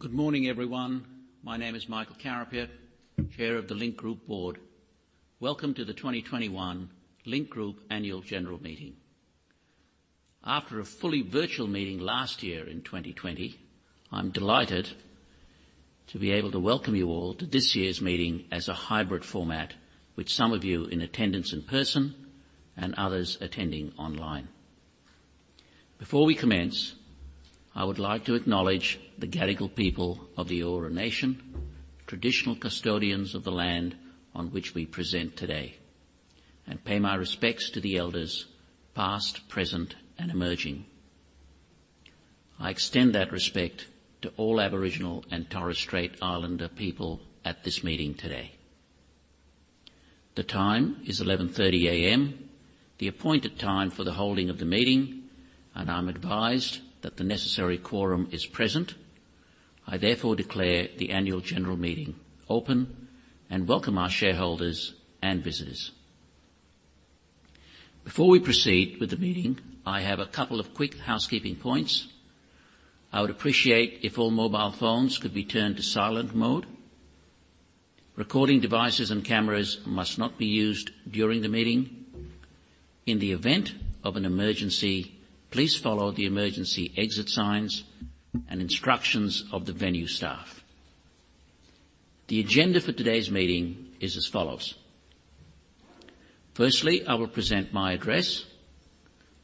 Good morning, everyone. My name is Michael Carapiet, Chair of the Link Group Board. Welcome to the 2021 Link Group Annual General Meeting. After a fully virtual meeting last year in 2020, I'm delighted to be able to welcome you all to this year's meeting as a hybrid format, with some of you in attendance in person and others attending online. Before we commence, I would like to acknowledge the Gadigal people of the Eora Nation, traditional custodians of the land on which we present today, and pay my respects to the elders past, present, and emerging. I extend that respect to all Aboriginal and Torres Strait Islander people at this meeting today. The time is 11:30 A.M., the appointed time for the holding of the meeting, and I'm advised that the necessary quorum is present. I therefore declare the Annual General Meeting open and welcome our shareholders and visitors. Before we proceed with the meeting, I have a couple of quick housekeeping points. I would appreciate if all mobile phones could be turned to silent mode. Recording devices and cameras must not be used during the meeting. In the event of an emergency, please follow the emergency exit signs and instructions of the venue staff. The agenda for today's meeting is as follows. Firstly, I will present my address.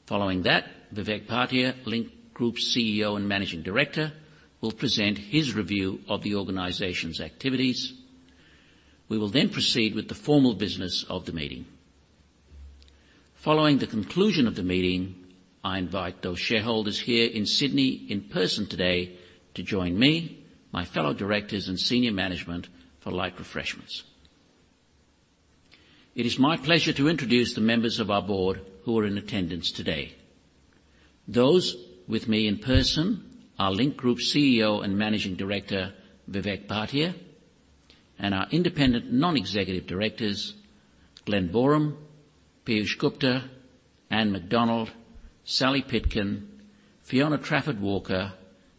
Following that, Vivek Bhatia, Link Group's CEO and Managing Director, will present his review of the organization's activities. We will then proceed with the formal business of the meeting. Following the conclusion of the meeting, I invite those shareholders here in Sydney in person today to join me, my fellow Directors and senior management for light refreshments. It is my pleasure to introduce the members of our board who are in attendance today. Those with me in person are Link Group CEO and Managing Director, Vivek Bhatia, and Independent Non-Executive Directors, Glen Boreham, Piyush Gupta, Anne McDonald, Sally Pitkin, Fiona Trafford-Walker,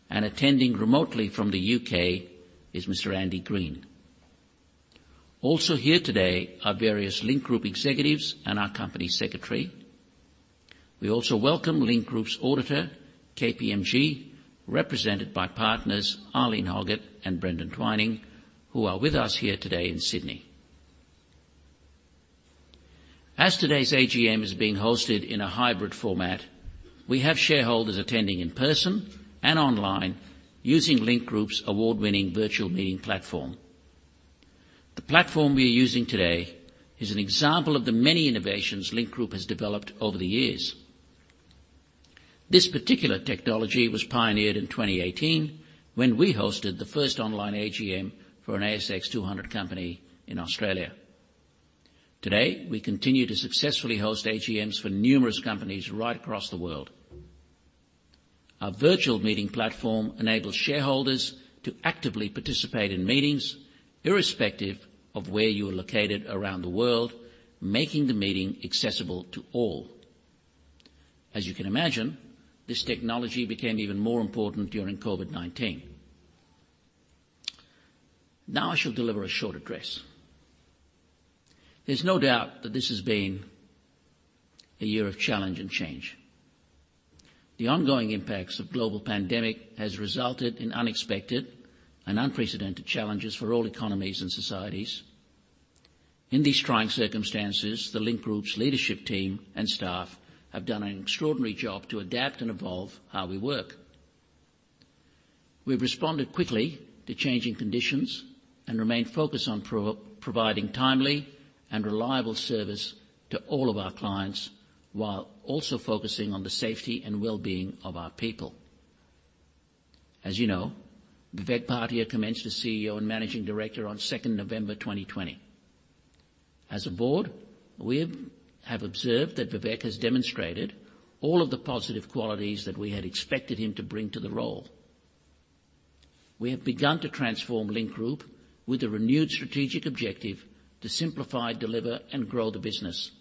and attending remotely from the U.K. is Mr. Andy Green. Also here today are various Link Group executives and our company secretary. We also welcome Link Group's auditor, KPMG, represented by partners Eileen Hoggett and Brendan Twining, who are with us here today in Sydney. As today's AGM is being hosted in a hybrid format, we have shareholders attending in person and online using Link Group's award-winning virtual meeting platform. The platform we are using today is an example of the many innovations Link Group has developed over the years. This particular technology was pioneered in 2018, when we hosted the first online AGM for an ASX 200 company in Australia. Today, we continue to successfully host AGMs for numerous companies right across the world. Our virtual meeting platform enables shareholders to actively participate in meetings irrespective of where you are located around the world, making the meeting accessible to all. As you can imagine, this technology became even more important during COVID-19. Now, I shall deliver a short address. There's no doubt that this has been a year of challenge and change. The ongoing impacts of global pandemic has resulted in unexpected and unprecedented challenges for all economies and societies. In these trying circumstances, the Link Group's leadership team and staff have done an extraordinary job to adapt and evolve how we work. We've responded quickly to changing conditions and remain focused on providing timely and reliable service to all of our clients, while also focusing on the safety and well-being of our people. As you know, Vivek Bhatia commenced as CEO and Managing Director on 2nd November, 2020. As a board, we have observed that Vivek has demonstrated all of the positive qualities that we had expected him to bring to the role. We have begun to transform Link Group with a renewed strategic objective to simplify, deliver, and grow the business.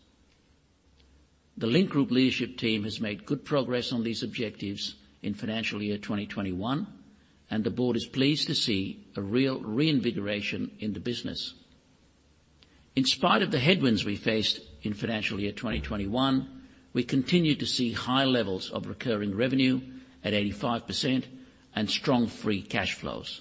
The Link Group leadership team has made good progress on these objectives in financial year 2021, and the board is pleased to see a real reinvigoration in the business. In spite of the headwinds we faced in financial year 2021, we continue to see high levels of recurring revenue at 85% and strong free cash flows.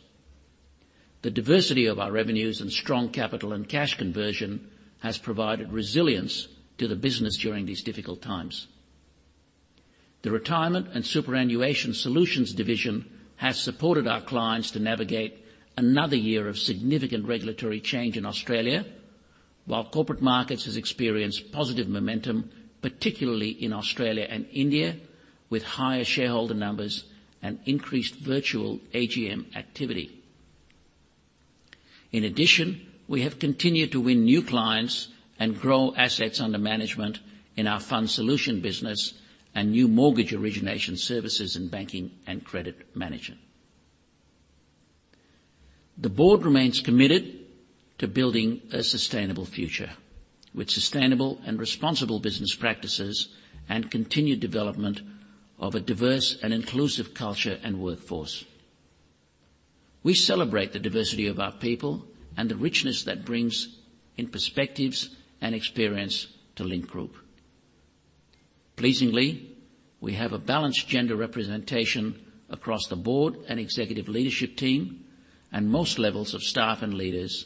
The diversity of our revenues and strong capital and cash conversion has provided resilience to the business during these difficult times. The Retirement and Superannuation Solutions division has supported our clients to navigate another year of significant regulatory change in Australia, while Corporate Markets has experienced positive momentum, particularly in Australia and India, with higher shareholder numbers and increased virtual AGM activity. In addition, we have continued to win new clients and grow assets under management in our Fund Solutions business and new mortgage origination services in Banking and Credit Management. the board remains committed to building a sustainable future with sustainable and responsible business practices and continued development of a diverse and inclusive culture and workforce. We celebrate the diversity of our people and the richness that brings in perspectives and experience to Link Group. Pleasingly, we have a balanced gender representation across the board and executive leadership team and most levels of staff and leaders,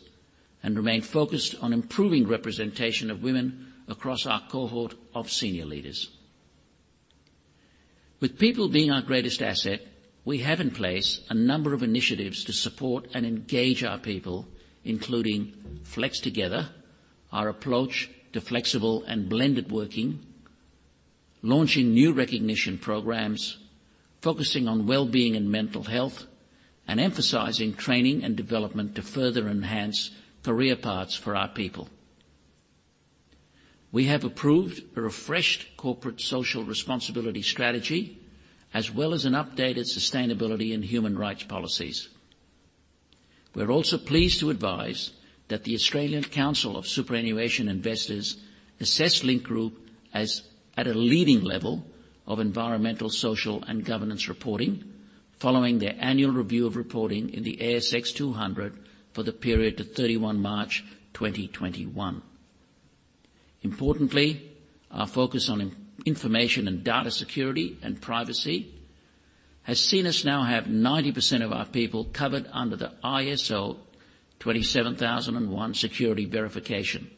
and remain focused on improving representation of women across our cohort of senior leaders. With people being our greatest asset, we have in place a number of initiatives to support and engage our people, including Flex Together, our approach to flexible and blended working, launching new recognition programs, focusing on well-being and mental health, and emphasizing training and development to further enhance career paths for our people. We have approved a refreshed corporate social responsibility strategy, as well as an updated sustainability and human rights policies. We're also pleased to advise that the Australian Council of Superannuation Investors assessed Link Group as a leading level of environmental, social, and governance reporting following their annual review of reporting in the ASX 200 for the period of 31 March 2021. Importantly, our focus on information and data security and privacy has seen us now have 90% of our people covered under the ISO 27001 security verification.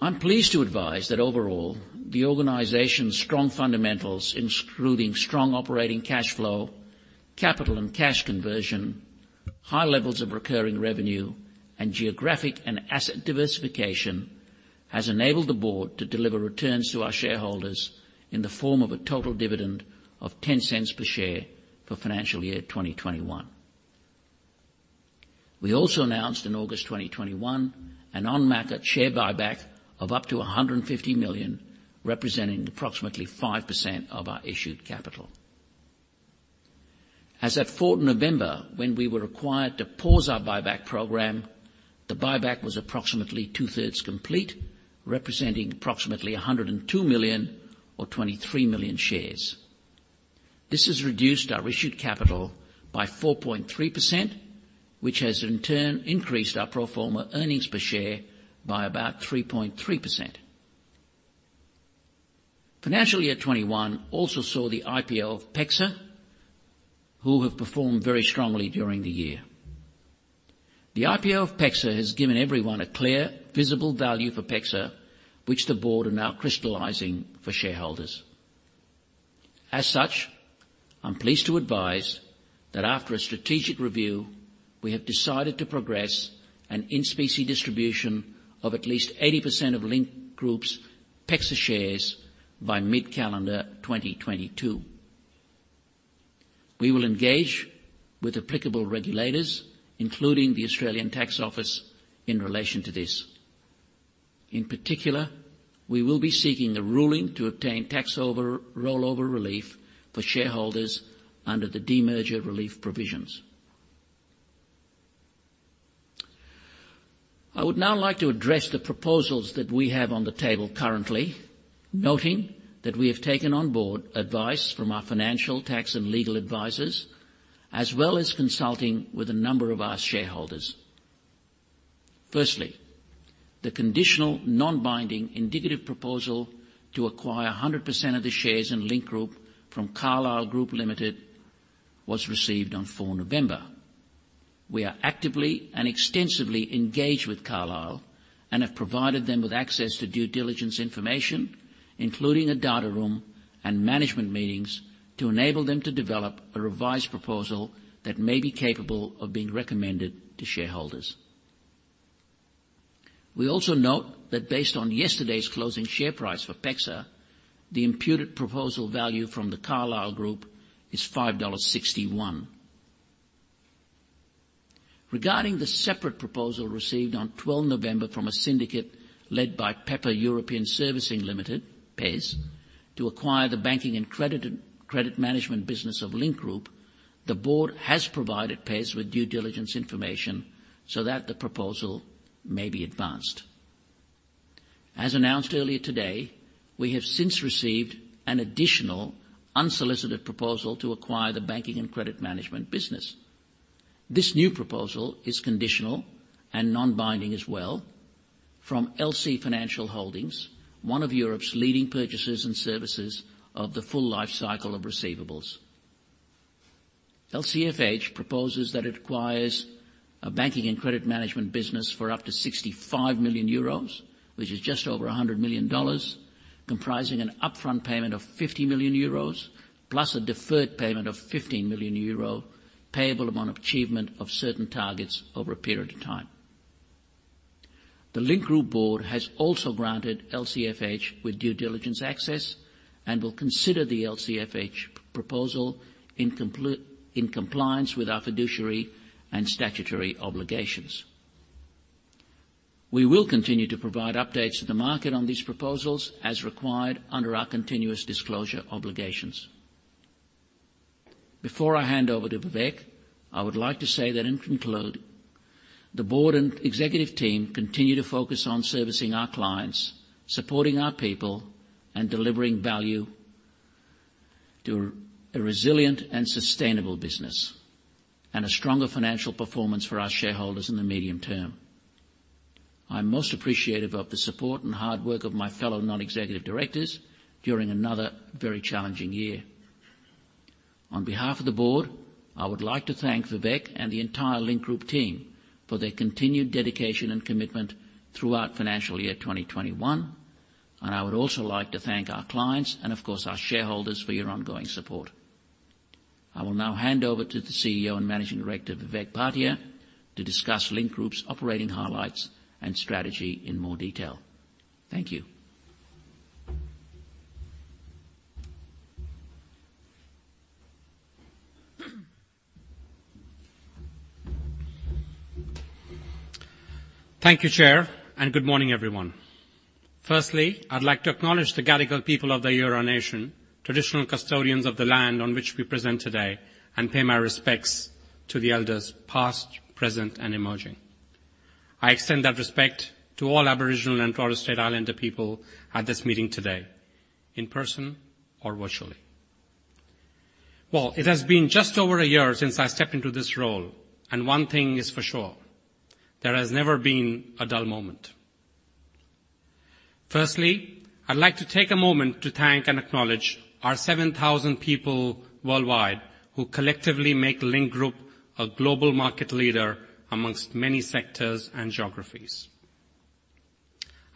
I'm pleased to advise that overall, the organization's strong fundamentals, including strong operating cash flow, capital and cash conversion, high levels of recurring revenue, and geographic and asset diversification, has enabled the board to deliver returns to our shareholders in the form of a total dividend of 0.10 per share for financial year 2021. We also announced in August 2021 an on-market share buyback of up to 150 million, representing approximately 5% of our issued capital. As at 4 November, when we were required to pause our buyback program, the buyback was approximately 2/3 complete, representing approximately 102 million or 23 million shares. This has reduced our issued capital by 4.3%, which has in turn increased our pro forma Earnings Per Share by about 3.3%. Financial year 2021 also saw the IPO of PEXA, who have performed very strongly during the year. The IPO of PEXA has given everyone a clear, visible value for PEXA, which the board are now crystallizing for shareholders. As such, I'm pleased to advise that after a strategic review, we have decided to progress an in-specie distribution of at least 80% of Link Group's PEXA shares by mid-calendar 2022. We will engage with applicable regulators, including the Australian Taxation Office, in relation to this. In particular, we will be seeking a ruling to obtain tax rollover relief for shareholders under the demerger relief provisions. I would now like to address the proposals that we have on the table currently, noting that we have taken on board advice from our financial, tax, and legal advisors, as well as consulting with a number of our shareholders. Firstly, the conditional non-binding indicative proposal to acquire 100% of the shares in Link Group from Carlyle Group Limited was received on 4 November. We are actively and extensively engaged with Carlyle and have provided them with access to due diligence information, including a data room and management meetings, to enable them to develop a revised proposal that may be capable of being recommended to shareholders. We also note that based on yesterday's closing share price for PEXA, the imputed proposal value from the Carlyle Group is 5.61 dollars. Regarding the separate proposal received on 12 November from a syndicate led by Pepper European Servicing Limited, PES, to acquire the Banking and Credit Management business of Link Group, the board has provided PES with due diligence information so that the proposal may be advanced. As announced earlier today, we have since received an additional unsolicited proposal to acquire the Banking and Credit Management business. This new proposal is conditional and non-binding as well from LC Financial Holdings, one of Europe's leading purchasers and servicers of the full life cycle of receivables. LCFH proposes that it acquires a Banking and Credit Management business for up to 65 million euros, which is just over 100 million dollars, comprising an upfront payment of 50 million euros, plus a deferred payment of 15 million euros payable upon achievement of certain targets over a period of time. The Link Group board has also granted LCFH with due diligence access and will consider the LCFH proposal in compliance with our fiduciary and statutory obligations. We will continue to provide updates to the market on these proposals as required under our continuous disclosure obligations. Before I hand over to Vivek Bhatia, I would like to say that to conclude, the board and executive team continue to focus on servicing our clients, supporting our people, and delivering value to a resilient and sustainable business, and a stronger financial performance for our shareholders in the medium term. I'm most appreciative of the support and hard work of my fellow Non-Executive Directors during another very challenging year. On behalf of the board, I would like to thank Vivek Bhatia and the entire Link Group team for their continued dedication and commitment throughout financial year 2021, and I would also like to thank our clients and of course our shareholders for your ongoing support. I will now hand over to the CEO and Managing Director, Vivek Bhatia, to discuss Link Group's operating highlights and strategy in more detail. Thank you. Thank you, Chair, and good morning, everyone. First, I'd like to acknowledge the Gadigal people of the Eora Nation, traditional custodians of the land on which we present today, and pay my respects to the elders past, present, and emerging. I extend that respect to all Aboriginal and Torres Strait Islander people at this meeting today, in person or virtually. Well, it has been just over a year since I stepped into this role, and one thing is for sure, there has never been a dull moment. First, I'd like to take a moment to thank and acknowledge our 7,000 people worldwide who collectively make Link Group a global market leader among many sectors and geographies.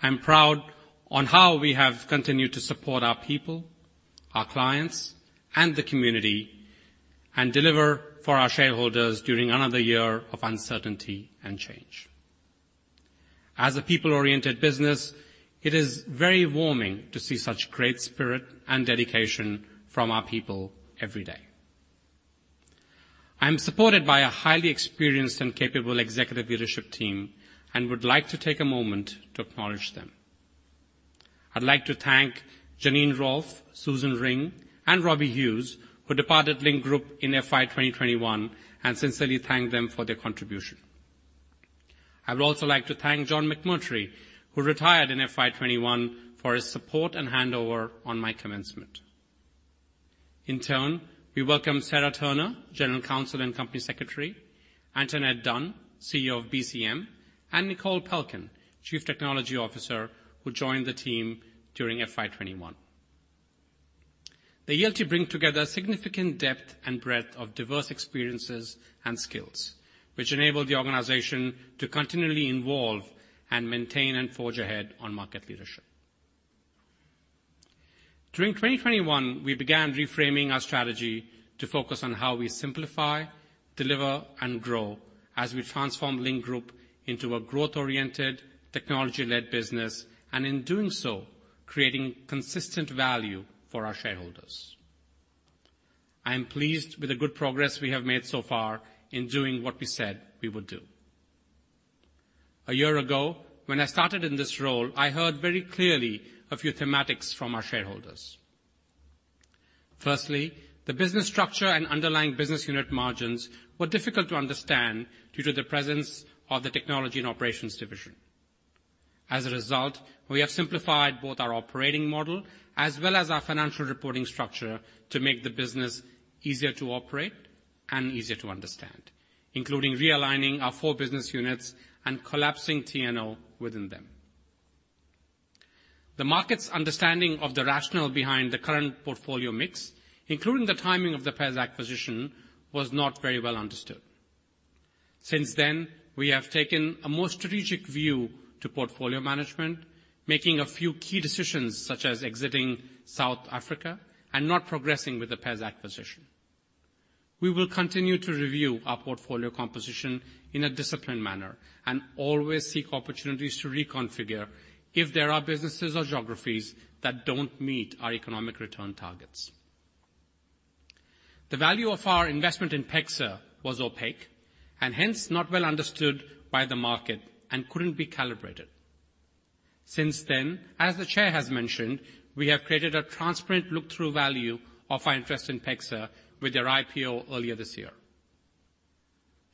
I'm proud of how we have continued to support our people, our clients, and the community, and deliver for our shareholders during another year of uncertainty and change. As a people-oriented business, it is very rewarding to see such great spirit and dedication from our people every day. I am supported by a highly experienced and capable executive leadership team and would like to take a moment to acknowledge them. I'd like to thank Janine Rolfe, Susan Ring, and Robbie Hughes, who departed Link Group in FY 2021, and sincerely thank them for their contribution. I would also like to thank John McMurtrie, who retired in FY 2021, for his support and handover on my commencement. In turn, we welcome Sarah Turner, General Counsel and Company Secretary, Antoinette Dunne, CEO of BCM, and Nicole Pelchen, Chief Technology Officer, who joined the team during FY 2021. They will bring together significant depth and breadth of diverse experiences and skills, which enable the organization to continually evolve and maintain and forge ahead in market leadership. During 2021, we began reframing our strategy to focus on how we simplify, deliver, and grow as we transform Link Group into a growth-oriented, technology-led business, and in doing so, creating consistent value for our shareholders. I am pleased with the good progress we have made so far in doing what we said we would do. A year ago, when I started in this role, I heard very clearly a few thematics from our shareholders. Firstly, the business structure and underlying business unit margins were difficult to understand due to the presence of the technology and operations division. As a result, we have simplified both our operating model as well as our financial reporting structure to make the business easier to operate and easier to understand, including realigning our four business units and collapsing T&O within them. The market's understanding of the rationale behind the current portfolio mix, including the timing of the PEXA acquisition, was not very well understood. Since then, we have taken a more strategic view to portfolio management, making a few key decisions, such as exiting South Africa and not progressing with the PEXA acquisition. We will continue to review our portfolio composition in a disciplined manner and always seek opportunities to reconfigure if there are businesses or geographies that don't meet our economic return targets. The value of our investment in PEXA was opaque and hence not well understood by the market and couldn't be calibrated. Since then, as the Chair has mentioned, we have created a transparent look-through value of our interest in PEXA with their IPO earlier this year,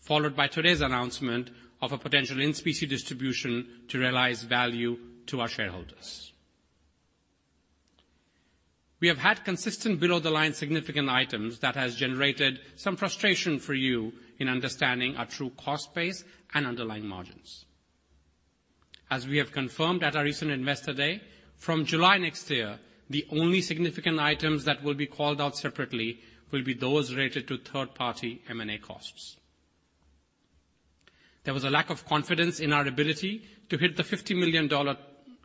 followed by today's announcement of a potential in-specie distribution to realize value to our shareholders. We have had consistent below-the-line significant items that has generated some frustration for you in understanding our true cost base and underlying margins. As we have confirmed at our recent Investor Day, from July next year, the only significant items that will be called out separately will be those related to third-party M&A costs. There was a lack of confidence in our ability to hit the 50 million dollar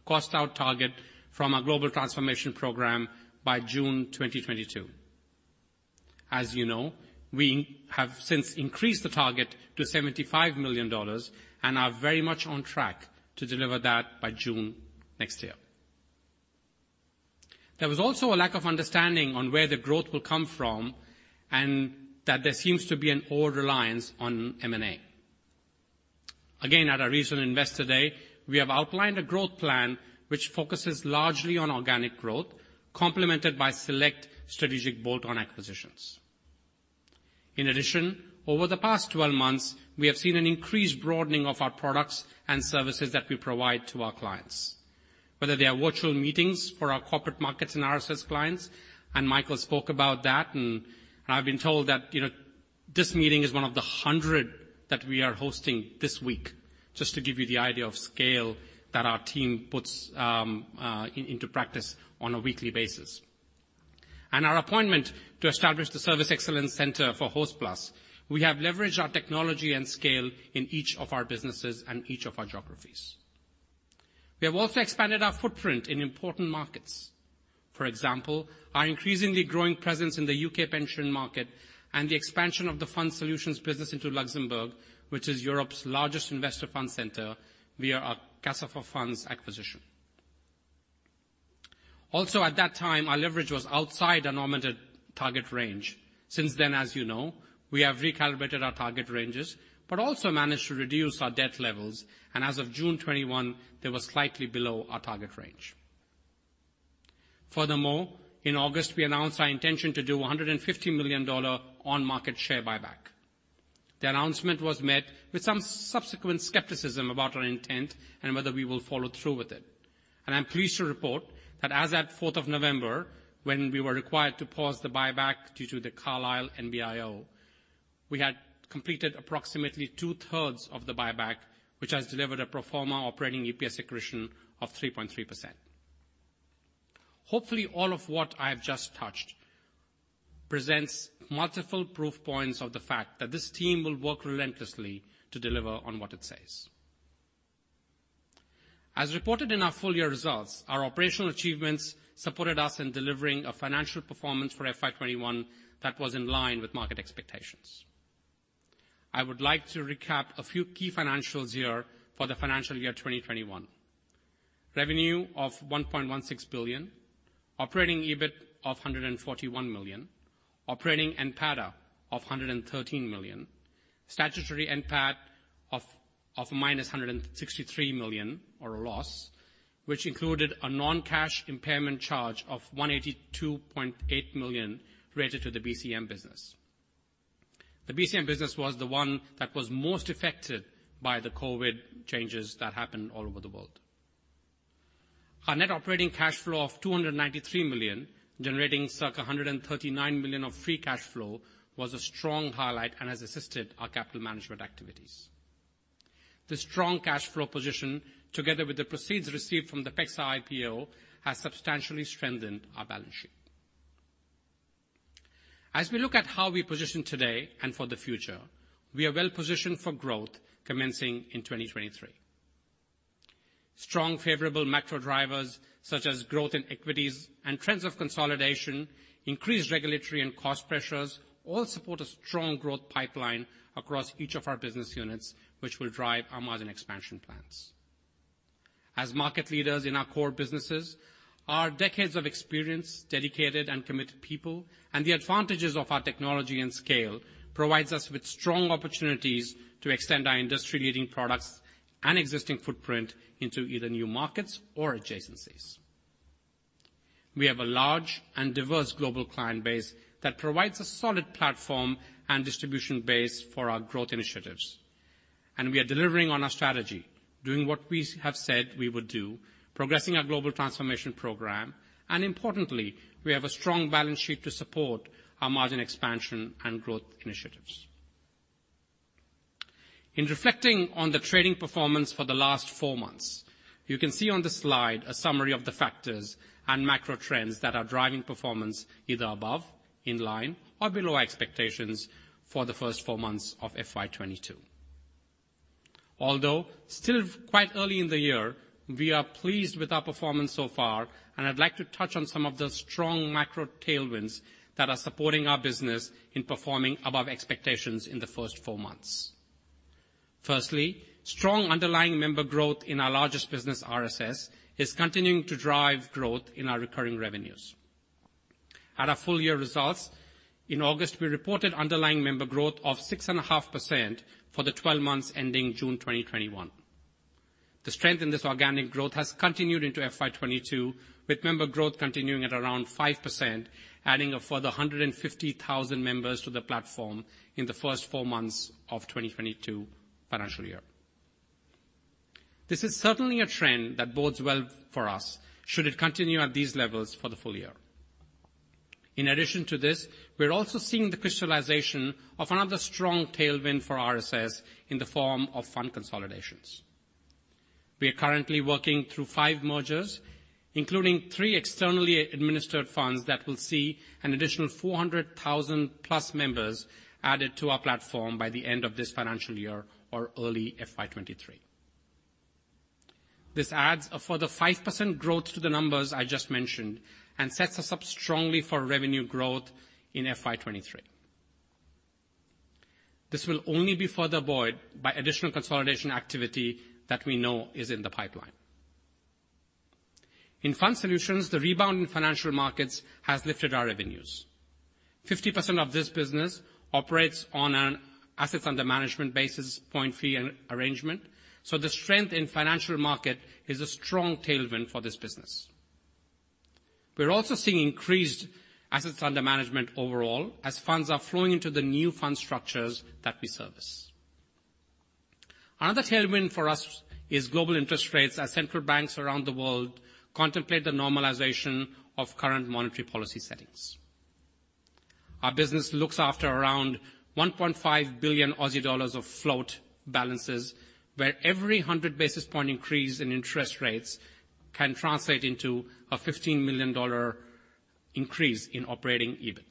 cost out target from our global transformation program by June 2022. As you know, we have since increased the target to 75 million dollars and are very much on track to deliver that by June next year. There was also a lack of understanding on where the growth will come from, and that there seems to be an over-reliance on M&A. Again, at our recent Investor Day, we have outlined a growth plan which focuses largely on organic growth, complemented by select strategic bolt-on acquisitions. In addition, over the past 12 months, we have seen an increased broadening of our products and services that we provide to our clients. Whether they are virtual meetings for our Corporate Markets and RSS clients, and Michael spoke about that, and I've been told that, you know, this meeting is one of the 100 that we are hosting this week, just to give you the idea of scale that our team puts into practice on a weekly basis. Our appointment to establish the Service Excellence Center for Hostplus. We have leveraged our technology and scale in each of our businesses and each of our geographies. We have also expanded our footprint in important markets. For example, our increasingly growing presence in the U.K. pension market and the expansion of the Fund Solutions business into Luxembourg, which is Europe's largest investor fund center via our Casa4Funds acquisition. Also at that time, our leverage was outside our normative target range. Since then, as you know, we have recalibrated our target ranges, but also managed to reduce our debt levels, and as of June 2021, they were slightly below our target range. Furthermore, in August, we announced our intention to do 150 million dollar on-market share buyback. The announcement was met with some subsequent skepticism about our intent and whether we will follow through with it. I'm pleased to report that as at 4th of November, when we were required to pause the buyback due to the Carlyle NBIO, we had completed approximately 2/3 of the buyback, which has delivered a pro forma operating EPS accretion of 3.3%. Hopefully, all of what I have just touched presents multiple proof points of the fact that this team will work relentlessly to deliver on what it says. As reported in our full year results, our operational achievements supported us in delivering a financial performance for FY 2021 that was in line with market expectations. I would like to recap a few key financials here for the financial year 2021. Revenue of 1.16 billion. Operating EBIT of 141 million. Operating NPATA of 113 million. Statutory NPAT of minus 163 million or a loss, which included a non-cash impairment charge of 182.8 million related to the BCM business. The BCM business was the one that was most affected by the COVID changes that happened all over the world. Our net operating cash flow of 293 million, generating circa 139 million of free cash flow, was a strong highlight and has assisted our capital management activities. The strong cash flow position, together with the proceeds received from the PEXA IPO, has substantially strengthened our balance sheet. As we look at how we position today and for the future, we are well positioned for growth commencing in 2023. Strong favourable macro drivers, such as growth in equities and trends of consolidation, increased regulatory and cost pressures, all support a strong growth pipeline across each of our business units, which will drive our margin expansion plans. As market leaders in our core businesses, our decades of experience, dedicated and committed people, and the advantages of our technology and scale, provides us with strong opportunities to extend our industry-leading products and existing footprint into either new markets or adjacencies. We have a large and diverse global client base that provides a solid platform and distribution base for our growth initiatives. We are delivering on our strategy, doing what we have said we would do, progressing our global transformation program, and importantly, we have a strong balance sheet to support our margin expansion and growth initiatives. In reflecting on the trading performance for the last four months, you can see on the slide a summary of the factors and macro trends that are driving performance either above, in line, or below expectations for the first four months of FY 2022. Although still quite early in the year, we are pleased with our performance so far, and I'd like to touch on some of the strong macro tailwinds that are supporting our business in performing above expectations in the first four months. Firstly, strong underlying member growth in our largest business, RSS, is continuing to drive growth in our recurring revenues. At our full year results, in August, we reported underlying member growth of 6.5% for the 12 months ending June 2021. The strength in this organic growth has continued into FY 2022, with member growth continuing at around 5%, adding a further 150,000 members to the platform in the first four months of 2022 financial year. This is certainly a trend that bodes well for us should it continue at these levels for the full year. In addition to this, we're also seeing the crystallization of another strong tailwind for RSS in the form of fund consolidations. We are currently working through five mergers, including three externally administered funds that will see an additional 400,000 plus members added to our platform by the end of this financial year or early FY 2023. This adds a further 5% growth to the numbers I just mentioned and sets us up strongly for revenue growth in FY 2023. This will only be further buoyed by additional consolidation activity that we know is in the pipeline. In Fund Solutions, the rebound in financial markets has lifted our revenues. 50% of this business operates on an assets under management basis point fee arrangement, so the strength in financial markets is a strong tailwind for this business. We're also seeing increased assets under management overall as funds are flowing into the new fund structures that we service. Another tailwind for us is global interest rates as central banks around the world contemplate the normalization of current monetary policy settings. Our business looks after around 1.5 billion Aussie dollars of float balances, where every 100 basis point increase in interest rates can translate into a 15 million dollar increase in operating EBIT.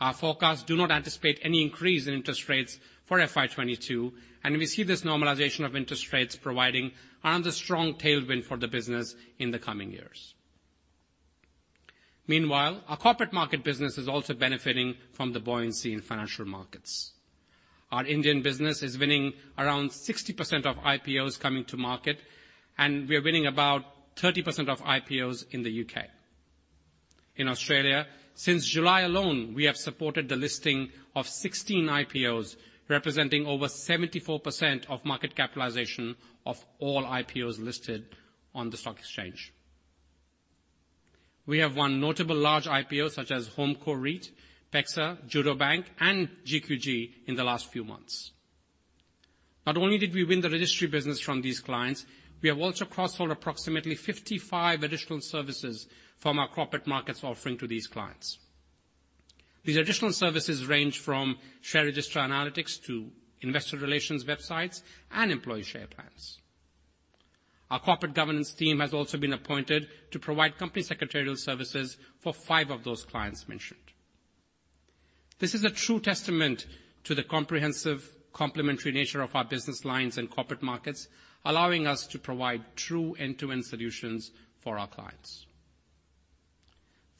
Our forecasts do not anticipate any increase in interest rates for FY 2022, and we see this normalization of interest rates providing another strong tailwind for the business in the coming years. Meanwhile, our Corporate Markets business is also benefiting from the buoyancy in financial markets. Our Indian business is winning around 60% of IPOs coming to market, and we are winning about 30% of IPOs in the U.K. In Australia, since July alone, we have supported the listing of 16 IPOs, representing over 74% of market capitalization of all IPOs listed on the stock exchange. We have won notable large IPOs such as HomeCo Daily Needs REIT, PEXA, Judo Bank, and GQG Partners in the last few months. Not only did we win the registry business from these clients, we have also cross-sold approximately 55 additional services from our Corporate Markets offering to these clients. These additional services range from share register analytics to investor relations websites and employee share plans. Our corporate governance team has also been appointed to provide company secretarial services for five of those clients mentioned. This is a true testament to the comprehensive complementary nature of our business lines and Corporate Markets, allowing us to provide true end-to-end solutions for our clients.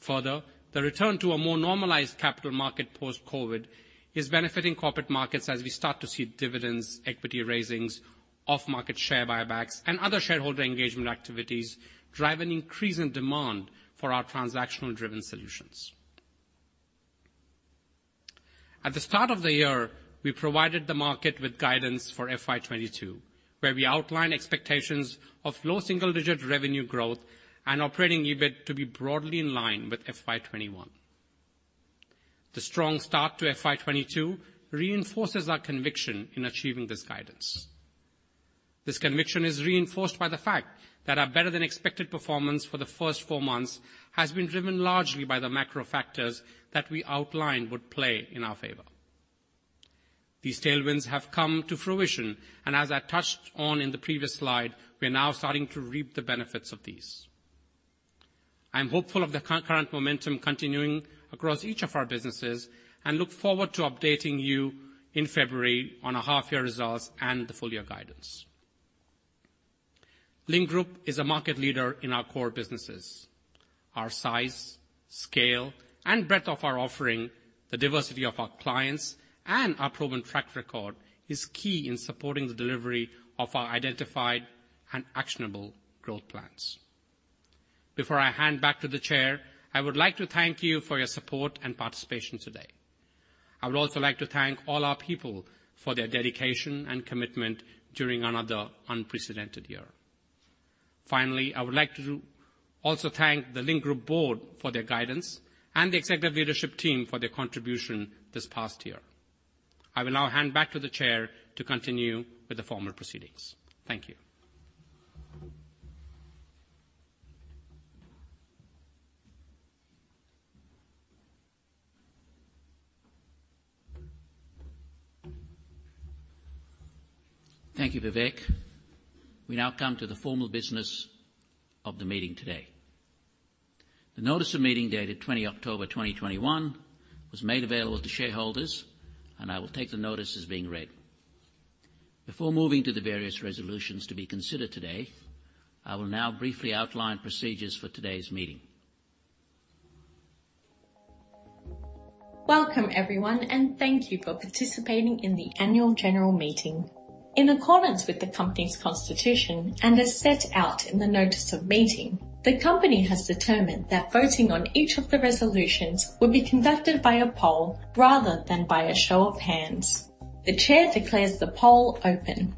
Further, the return to a more normalized capital market post-COVID is benefiting Corporate Markets as we start to see dividends, equity raisings, off-market share buybacks, and other shareholder engagement activities drive an increase in demand for our transactional-driven solutions. At the start of the year, we provided the market with guidance for FY 2022, where we outlined expectations of low single-digit revenue growth and operating EBIT to be broadly in line with FY 2021. The strong start to FY 2022 reinforces our conviction in achieving this guidance. This conviction is reinforced by the fact that our better than expected performance for the first four months has been driven largely by the macro factors that we outlined would play in our favour. These tailwinds have come to fruition, and as I touched on in the previous slide, we are now starting to reap the benefits of these. I am hopeful of the current momentum continuing across each of our businesses and look forward to updating you in February on our half-year results and the full year guidance. Link Group is a market leader in our core businesses. Our size, scale, and breadth of our offering, the diversity of our clients, and our proven track record is key in supporting the delivery of our identified and actionable growth plans. Before I hand back to the Chair, I would like to thank you for your support and participation today. I would also like to thank all our people for their dedication and commitment during another unprecedented year. Finally, I would like to also thank the Link Group board for their guidance and the executive leadership team for their contribution this past year. I will now hand back to the Chair to continue with the formal proceedings. Thank you. Thank you, Vivek. We now come to the formal business of the meeting today. The Notice of Meeting dated 20 October 2021 was made available to shareholders, and I will take the notice as being read. Before moving to the various resolutions to be considered today, I will now briefly outline procedures for today's meeting. Welcome, everyone, and thank you for participating in the Annual General Meeting. In accordance with the company's constitution and as set out in the Notice of Meeting, the company has determined that voting on each of the resolutions will be conducted by a poll rather than by a show of hands. The Chair declares the poll open.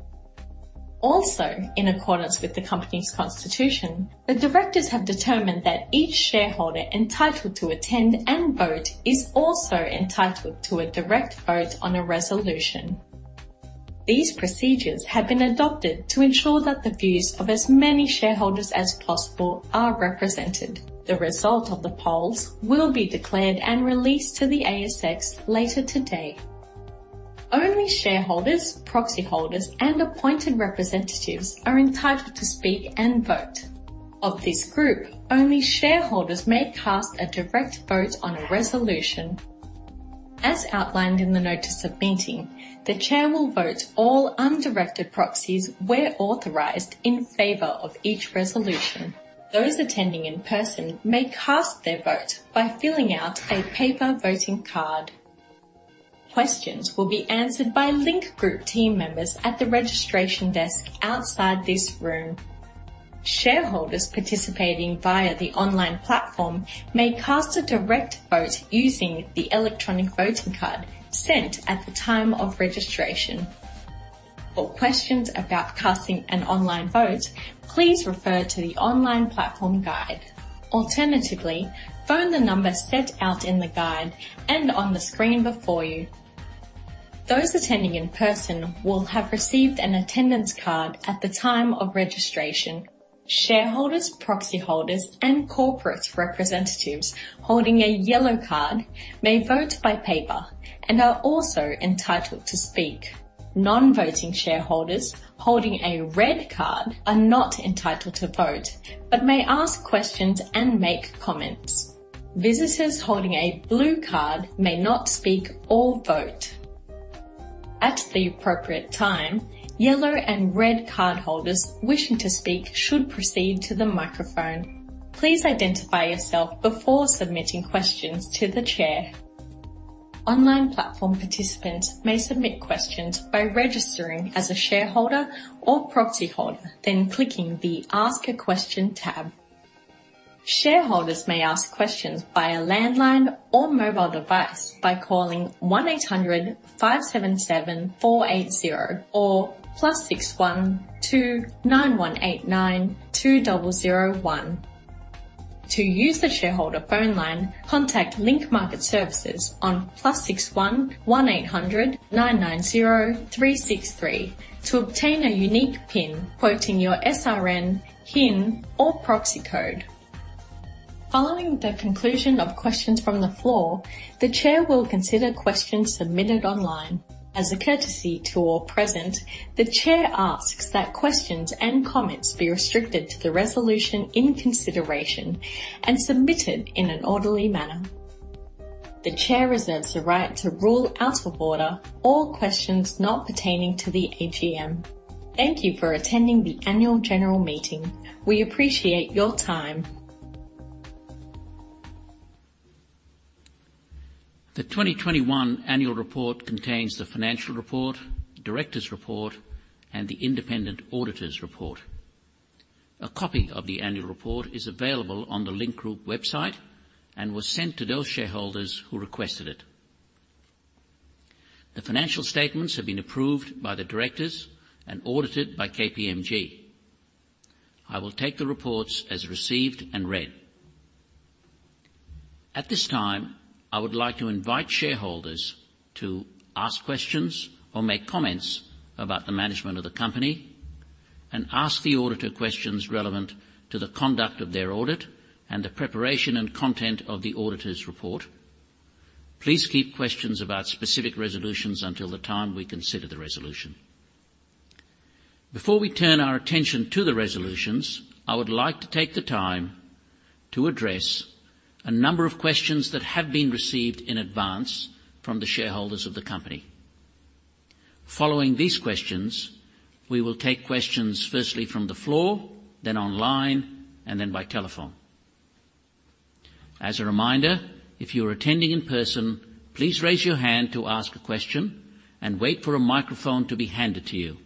Also, in accordance with the company's constitution, the Directors have determined that each shareholder entitled to attend and vote is also entitled to a direct vote on a resolution. These procedures have been adopted to ensure that the views of as many shareholders as possible are represented. The result of the polls will be declared and released to the ASX later today. Only shareholders, proxy holders, and appointed representatives are entitled to speak and vote. Of this group, only shareholders may cast a direct vote on a resolution. As outlined in the Notice of Meeting, the Chair will vote all undirected proxies where authorized in favor of each resolution. Those attending in person may cast their vote by filling out a paper voting card. Questions will be answered by Link Group team members at the registration desk outside this room. Shareholders participating via the online platform may cast a direct vote using the electronic voting card sent at the time of registration. For questions about casting an online vote, please refer to the online platform guide. Alternatively, phone the number set out in the guide and on the screen before you. Those attending in person will have received an attendance card at the time of registration. Shareholders, proxy holders, and corporate representatives holding a yellow card may vote by paper and are also entitled to speak. Non-voting shareholders holding a red card are not entitled to vote, but may ask questions and make comments. Visitors holding a blue card may not speak or vote. At the appropriate time, yellow and red cardholders wishing to speak should proceed to the microphone. Please identify yourself before submitting questions to the Chair. Online platform participants may submit questions by registering as a shareholder or proxy holder, then clicking the Ask a Question tab. Shareholders may ask questions by a landline or mobile device by calling 1800 577 480 or +61 2 9189 2001. To use the shareholder phone line, contact Link Market Services on +61 1800 990 363 to obtain a unique PIN quoting your SRN, HIN, or proxy code. Following the conclusion of questions from the floor, the Chair will consider questions submitted online. As a courtesy to all present, the Chair asks that questions and comments be restricted to the resolution in consideration and submitted in an orderly manner. The Chair reserves the right to rule out of order all questions not pertaining to the AGM. Thank you for attending the Annual General Meeting. We appreciate your time. The 2021 Annual Report contains the financial report, Directors' Report, and the independent auditor's report. A copy of the Annual Report is available on the Link Group website and was sent to those shareholders who requested it. The financial statements have been approved by the Directors and audited by KPMG. I will take the reports as received and read. At this time, I would like to invite shareholders to ask questions or make comments about the management of the company and ask the auditor questions relevant to the conduct of their audit and the preparation and content of the auditor's report. Please keep questions about specific resolutions until the time we consider the resolution. Before we turn our attention to the resolutions, I would like to take the time to address a number of questions that have been received in advance from the shareholders of the company. Following these questions, we will take questions firstly from the floor, then online, and then by telephone. As a reminder, if you're attending in person, please raise your hand to ask a question and wait for a microphone to be handed to you.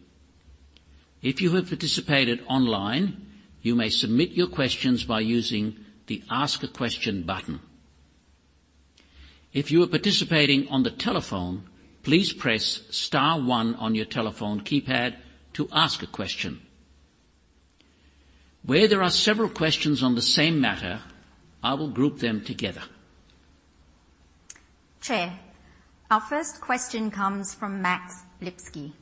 If you have participated online, you may submit your questions by using the Ask a Question button. If you are participating on the telephone, please press star one on your telephone keypad to ask a question. Where there are several questions on the same matter, I will group them together. Chair, our first question comes from Max Lipsky.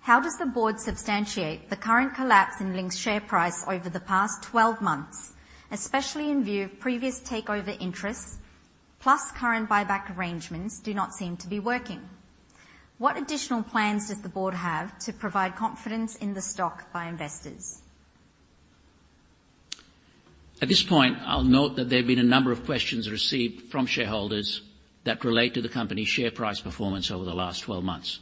How does the board substantiate the current collapse in Link's share price over the past 12 months, especially in view of previous takeover interests, plus current buyback arrangements do not seem to be working? What additional plans does the board have to provide confidence in the stock by investors? At this point, I'll note that there have been a number of questions received from shareholders that relate to the company's share price performance over the last 12 months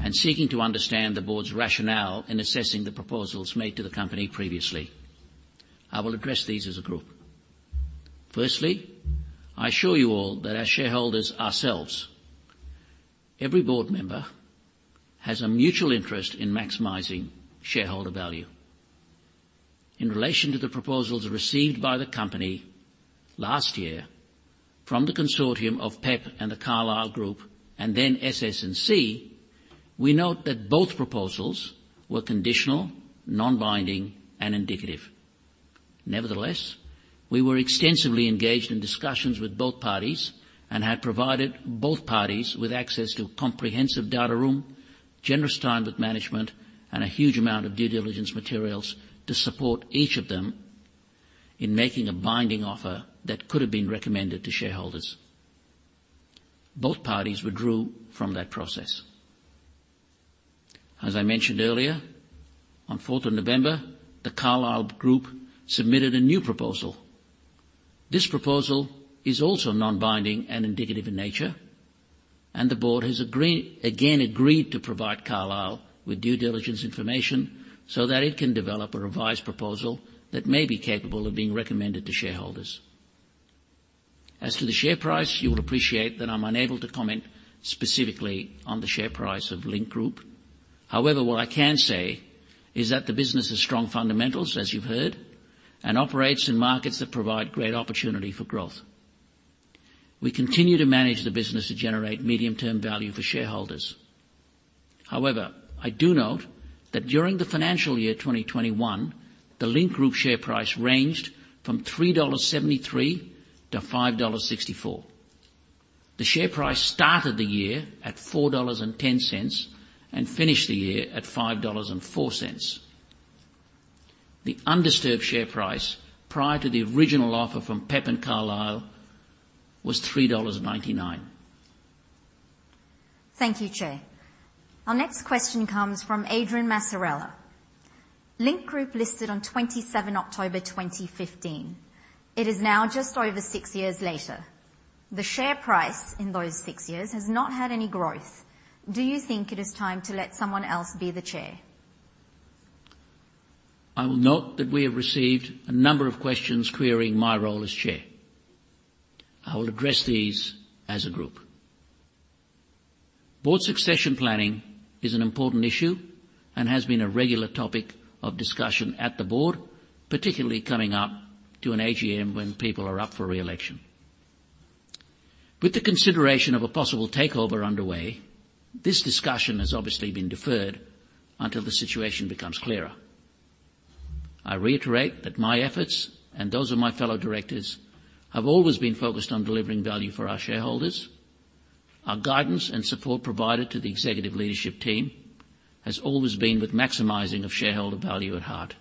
and seeking to understand the board's rationale in assessing the proposals made to the company previously. I will address these as a group. Firstly, I assure you all that as shareholders ourselves, every board member has a mutual interest in maximizing shareholder value. In relation to the proposals received by the company last year from the consortium of PEP and The Carlyle Group, and then SS&C, we note that both proposals were conditional, non-binding, and indicative. Nevertheless, we were extensively engaged in discussions with both parties and had provided both parties with access to a comprehensive data room, generous time with management, and a huge amount of due diligence materials to support each of them in making a binding offer that could have been recommended to shareholders. Both parties withdrew from that process. As I mentioned earlier, on the 4th of November, The Carlyle Group submitted a new proposal. This proposal is also non-binding and indicative in nature, and the board has agreed to provide Carlyle with due diligence information so that it can develop a revised proposal that may be capable of being recommended to shareholders. As to the share price, you will appreciate that I'm unable to comment specifically on the share price of Link Group. However, what I can say is that the business has strong fundamentals, as you've heard, and operates in markets that provide great opportunity for growth. We continue to manage the business to generate medium-term value for shareholders. However, I do note that during the financial year 2021, the Link Group share price ranged from 3.73-5.64 dollars. The share price started the year at 4.10 dollars and finished the year at 5.04 dollars. The undisturbed share price prior to the original offer from PEP and Carlyle was 3.99. Thank you, Chair. Our next question comes from Adrian Massarella. Link Group listed on 27 October 2015. It is now just over six years later. The share price in those six years has not had any growth. Do you think it is time to let someone else be the chair? I will note that we have received a number of questions querying my role as chair. I will address these as a group. Board succession planning is an important issue and has been a regular topic of discussion at the board, particularly coming up to an AGM when people are up for re-election. With the consideration of a possible takeover underway, this discussion has obviously been deferred until the situation becomes clearer. I reiterate that my efforts and those of my fellow Directors have always been focused on delivering value for our shareholders. Our guidance and support provided to the executive leadership team has always been with maximizing of shareholder value at heart.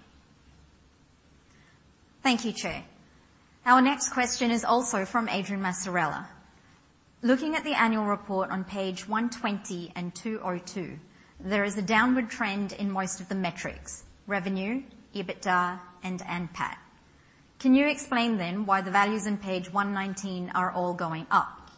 Thank you, Chair. Our next question is also from Adrian Massarella. Looking at the Annual Report on page 120 and 202, there is a downward trend in most of the metrics, revenue, EBITDA and NPAT. Can you explain then why the values in page 119 are all going up?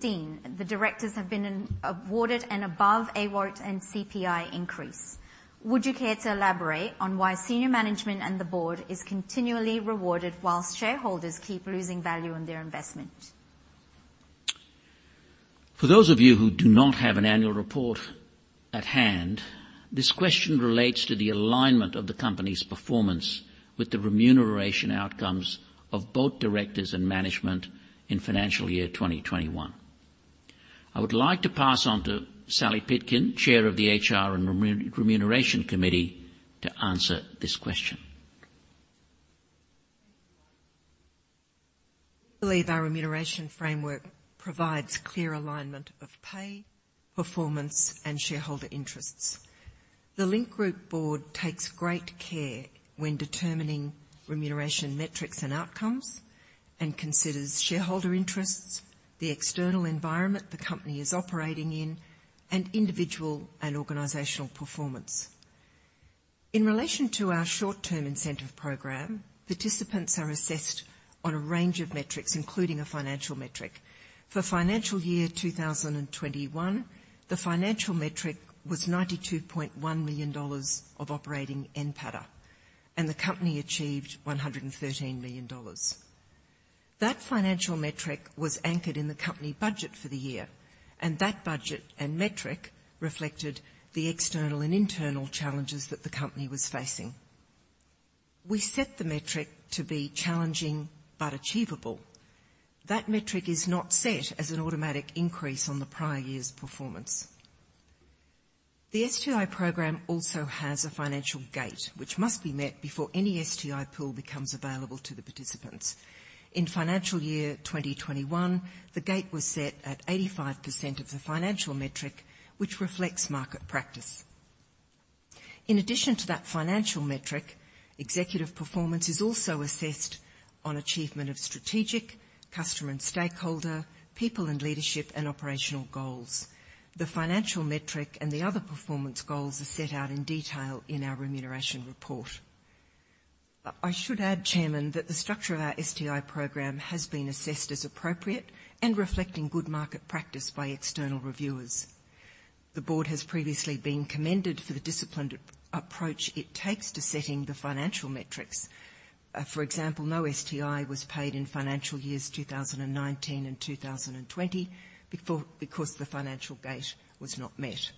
Team, the Directors have been awarded an above award and CPI increase. Would you care to elaborate on why senior management and the board is continually rewarded while shareholders keep losing value on their investment? For those of you who do not have an Annual Report at hand, this question relates to the alignment of the company's performance with the remuneration outcomes of both Directors and management in financial year 2021. I would like to pass on to Sally Pitkin, Chair of the HR and Remuneration Committee, to answer this question. I believe our remuneration framework provides clear alignment of pay, performance, and shareholder interests. The Link Group board takes great care when determining remuneration metrics and outcomes and considers shareholder interests, the external environment the company is operating in, and individual and organizational performance. In relation to Short-Term Incentive program, participants are assessed on a range of metrics, including a financial metric. For FY 2021, the financial metric was AUD 92.1 million of operating NPATA, and the company achieved AUD 113 million. That financial metric was anchored in the company budget for the year, and that budget and metric reflected the external and internal challenges that the company was facing. We set the metric to be challenging but achievable. That metric is not set as an automatic increase on the prior year's performance. The STI program also has a financial gate, which must be met before any STI pool becomes available to the participants. In financial year 2021, the gate was set at 85% of the financial metric, which reflects market practice. In addition to that financial metric, executive performance is also assessed on achievement of strategic, customer and stakeholder, people and leadership, and operational goals. The financial metric and the other performance goals are set out in detail in our remuneration report. I should add, Chairman, that the structure of our STI program has been assessed as appropriate and reflecting good market practice by external reviewers. The board has previously been commended for the disciplined approach it takes to setting the financial metrics. For example, no STI was paid in financial years 2019 and 2020 because the financial gate was not met.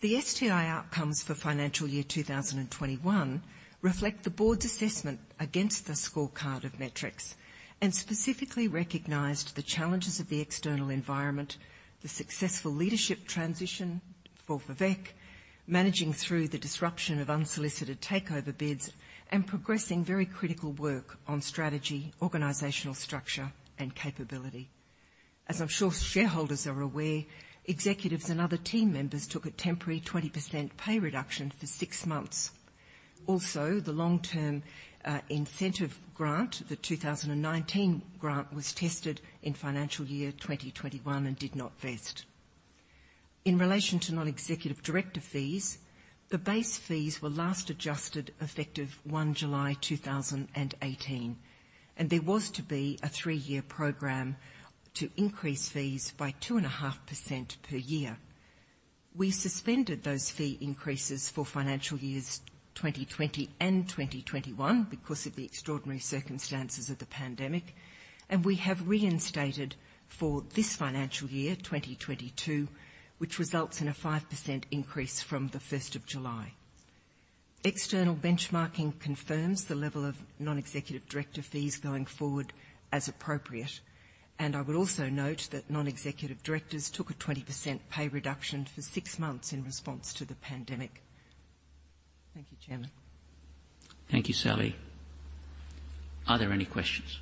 The STI outcomes for financial year 2021 reflect the board's assessment against the scorecard of metrics and specifically recognized the challenges of the external environment, the successful leadership transition for Vivek, managing through the disruption of unsolicited takeover bids, and progressing very critical work on strategy, organizational structure and capability. As I'm sure shareholders are aware, executives and other team members took a temporary 20% pay reduction for six months. Also, the Long-Term Incentive grant, the 2019 grant, was tested in financial year 2021 and did not vest. In relation to Non-Executive Director fees, the base fees were last adjusted effective 1 July 2018. There was to be a three-year program to increase fees by 2.5% per year. We suspended those fee increases for financial years 2020 and 2021 because of the extraordinary circumstances of the pandemic. We have reinstated for this financial year 2022, which results in a 5% increase from the first of July. External benchmarking confirms the level of Non-Executive Director fees going forward as appropriate. I would also note that Non-Executive Directors took a 20% pay reduction for six months in response to the pandemic. Thank you, Chairman. Thank you, Sally. Are there any questions?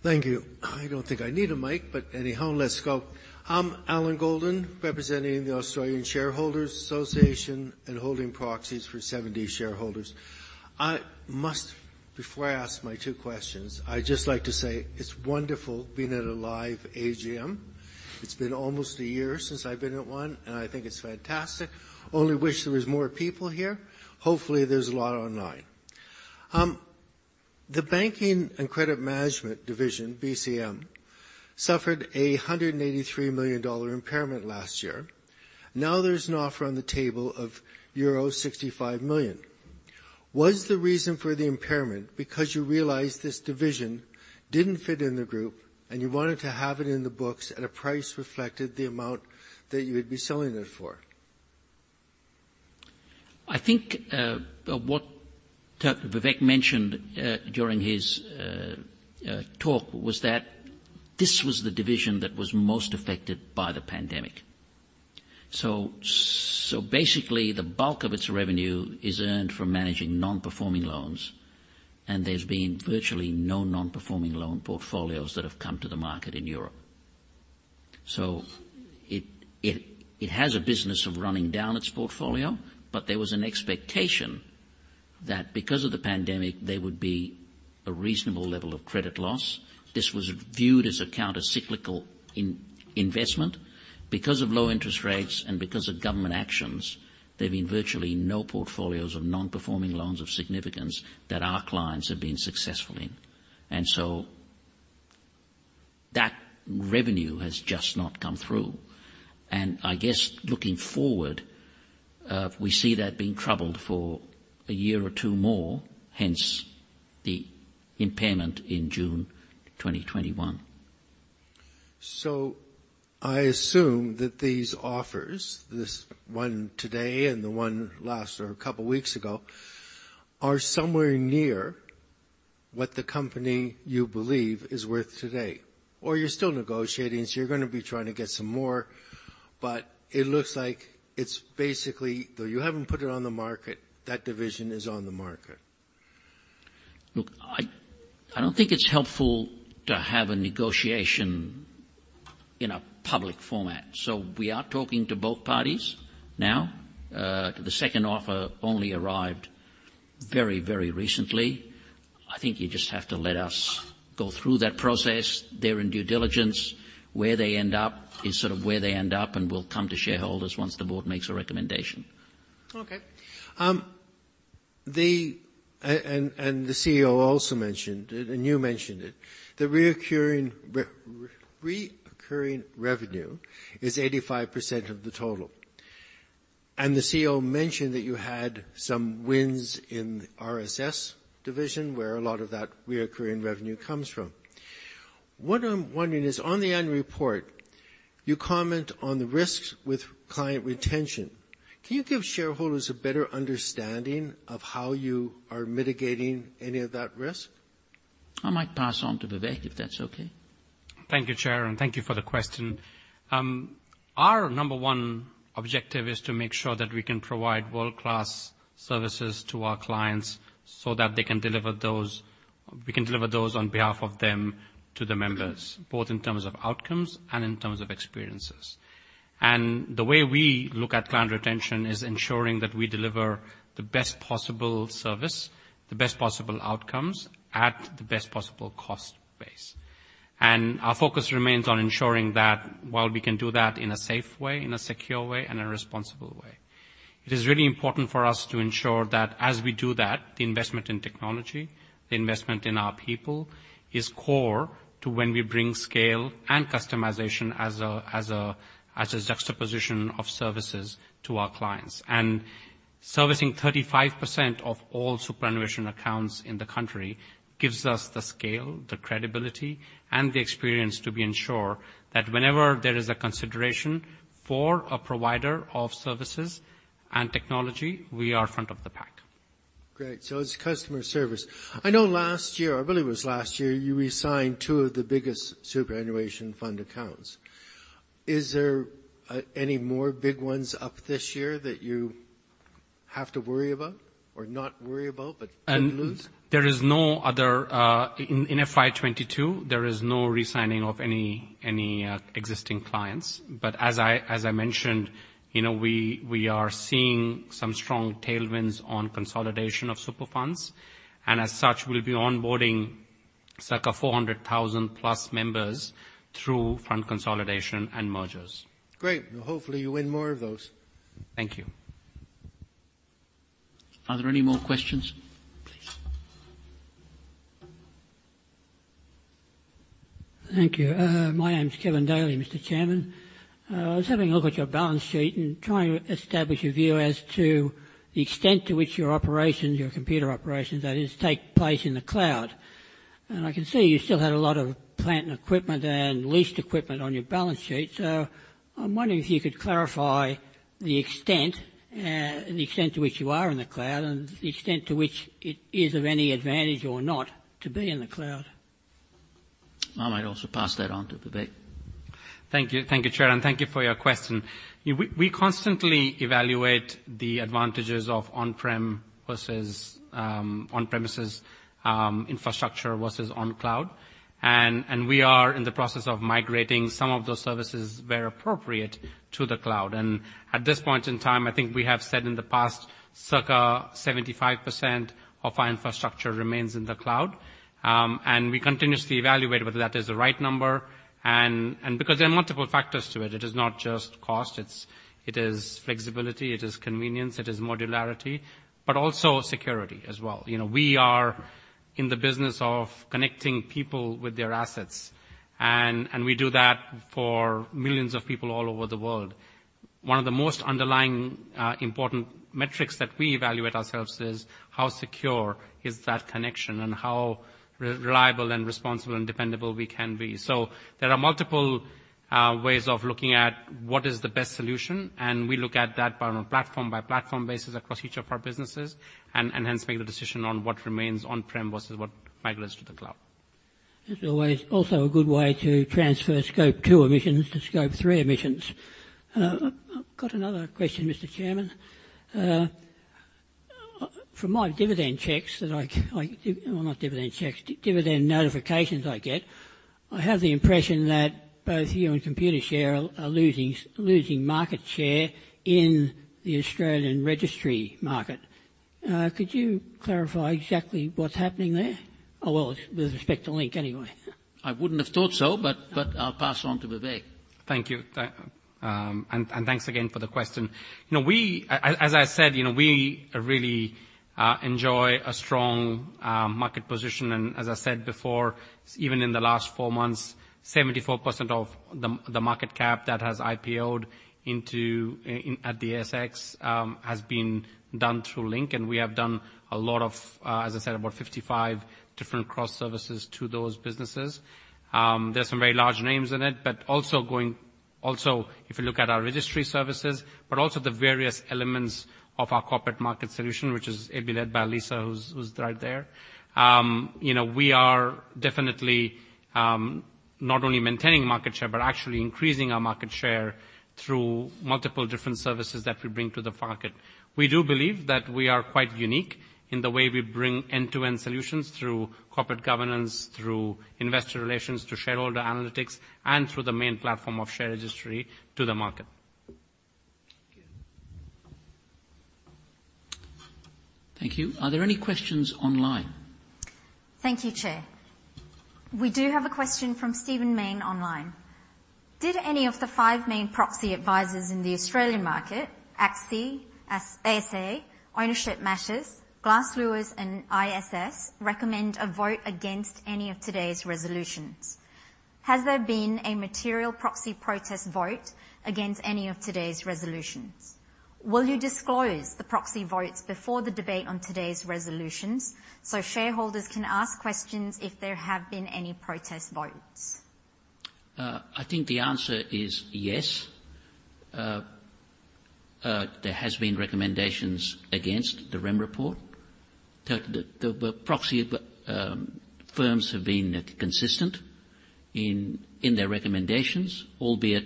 Thank you. I don't think I need a mic, but anyhow, let's go. I'm Alan Golden, representing the Australian Shareholders' Association and holding proxies for 70 shareholders. I must, before I ask my two questions, I'd just like to say it's wonderful being at a live AGM. It's been almost a year since I've been at one, and I think it's fantastic. Only wish there was more people here. Hopefully, there's a lot online. The Banking and Credit Management division, BCM, suffered a $183 million impairment last year. Now there's an offer on the table of euro 65 million. Was the reason for the impairment because you realized this division didn't fit in the group and you wanted to have it in the books at a price reflected the amount that you would be selling it for? I think what Vivek mentioned during his talk was that this was the division that was most affected by the pandemic. Basically the bulk of its revenue is earned from managing non-performing loans, and there's been virtually no non-performing loan portfolios that have come to the market in Europe. It has a business of running down its portfolio, but there was an expectation that because of the pandemic, there would be a reasonable level of credit loss. This was viewed as a counter-cyclical investment. Because of low interest rates and because of government actions, there have been virtually no portfolios of non-performing loans of significance that our clients have been successful in. That revenue has just not come through. I guess looking forward, we see that being troubled for a year or two more, hence the impairment in June 2021. I assume that these offers, this one today and the one last or a couple of weeks ago, are somewhere near what the company you believe is worth today. You're still negotiating, so you're gonna be trying to get some more. It looks like it's basically, though you haven't put it on the market, that division is on the market. Look, I don't think it's helpful to have a negotiation in a public format. We are talking to both parties now. The second offer only arrived very, very recently. I think you just have to let us go through that process. They're in due diligence. Where they end up is sort of where they end up, and we'll come to shareholders once the board makes a recommendation. The CEO also mentioned it, and you mentioned it. The recurring revenue is 85% of the total. The CEO mentioned that you had some wins in RSS division where a lot of that recurring revenue comes from. What I'm wondering is, on the Annual Report, you comment on the risks with client retention. Can you give shareholders a better understanding of how you are mitigating any of that risk? I might pass on to Vivek, if that's okay. Thank you, Chair, and thank you for the question. Our number one objective is to make sure that we can provide world-class services to our clients so that we can deliver those on behalf of them to the members, both in terms of outcomes and in terms of experiences. The way we look at client retention is ensuring that we deliver the best possible service, the best possible outcomes at the best possible cost base. Our focus remains on ensuring that while we can do that in a safe way, in a secure way, and in a responsible way. It is really important for us to ensure that as we do that, the investment in technology, the investment in our people is core to when we bring scale and customization as a juxtaposition of services to our clients. Servicing 35% of all superannuation accounts in the country gives us the scale, the credibility, and the experience to ensure that whenever there is a consideration for a provider of services and technology, we are front of the pack. Great. It's customer service. I know last year, I believe it was last year, you resigned two of the biggest superannuation fund accounts. Is there any more big ones up this year that you have to worry about or not worry about, but could lose? There is no other in FY 2022, there is no resigning of any existing clients. As I mentioned, you know, we are seeing some strong tailwinds on consolidation of super funds. As such, we'll be onboarding circa 400,000 plus members through fund consolidation and mergers. Great. Hopefully, you win more of those. Thank you. Are there any more questions? Please. Thank you. My name is Kevin Daly, Mr. Chairman. I was having a look at your balance sheet and trying to establish a view as to the extent to which your operations, your computer operations that is, take place in the cloud. I can see you still have a lot of plant and equipment and leased equipment on your balance sheet. I'm wondering if you could clarify the extent to which you are in the cloud and the extent to which it is of any advantage or not to be in the cloud. I might also pass that on to Vivek. Thank you. Thank you, Chair, and thank you for your question. We constantly evaluate the advantages of on-prem versus on-premises infrastructure versus on-cloud. We are in the process of migrating some of those services where appropriate to the cloud. At this point in time, I think we have said in the past, circa 75% of our infrastructure remains in the cloud. We continuously evaluate whether that is the right number, and because there are multiple factors to it. It is not just cost, it is flexibility, it is convenience, it is modularity, but also security as well. You know, we are in the business of connecting people with their assets, and we do that for millions of people all over the world. One of the most underlying important metrics that we evaluate ourselves is how secure is that connection and how reliable and responsible and dependable we can be. There are multiple ways of looking at what is the best solution, and we look at that on a platform-by-platform basis across each of our businesses and hence make the decision on what remains on-prem versus what migrates to the cloud. There's always also a good way to transfer scope two emissions to scope three emissions. I've got another question, Mr. Chairman. From my dividend notifications I get, I have the impression that both you and Computershare are losing market share in the Australian registry market. Could you clarify exactly what's happening there? Well, with respect to Link, anyway. I wouldn't have thought so, but I'll pass on to Vivek. Thank you. Thanks again for the question. You know, as I said, you know, we really enjoy a strong market position. As I said before, even in the last four months, 74% of the market cap that has IPO'd into the ASX has been done through Link, and we have done a lot of, as I said, about 55 different cross services to those businesses. There are some very large names in it, but also, if you look at our registry services, but also the various elements of our Corporate Markets solution, which is being led by Lisa, who's right there. You know, we are definitely not only maintaining market share, but actually increasing our market share through multiple different services that we bring to the market. We do believe that we are quite unique in the way we bring end-to-end solutions through corporate governance, through investor relations, through shareholder analytics, and through the main platform of share registry to the market. Thank you. Thank you. Are there any questions online? Thank you, Chair. We do have a question from Stephen Mayne online. Did any of the five main proxy advisors in the Australian market, ACSI, ASA, Ownership Matters, Glass Lewis, and ISS, recommend a vote against any of today's resolutions? Has there been a material proxy protest vote against any of today's resolutions? Will you disclose the proxy votes before the debate on today's resolutions so shareholders can ask questions if there have been any protest votes? I think the answer is yes. There has been recommendations against the Remuneration Report. The proxy firms have been consistent in their recommendations, albeit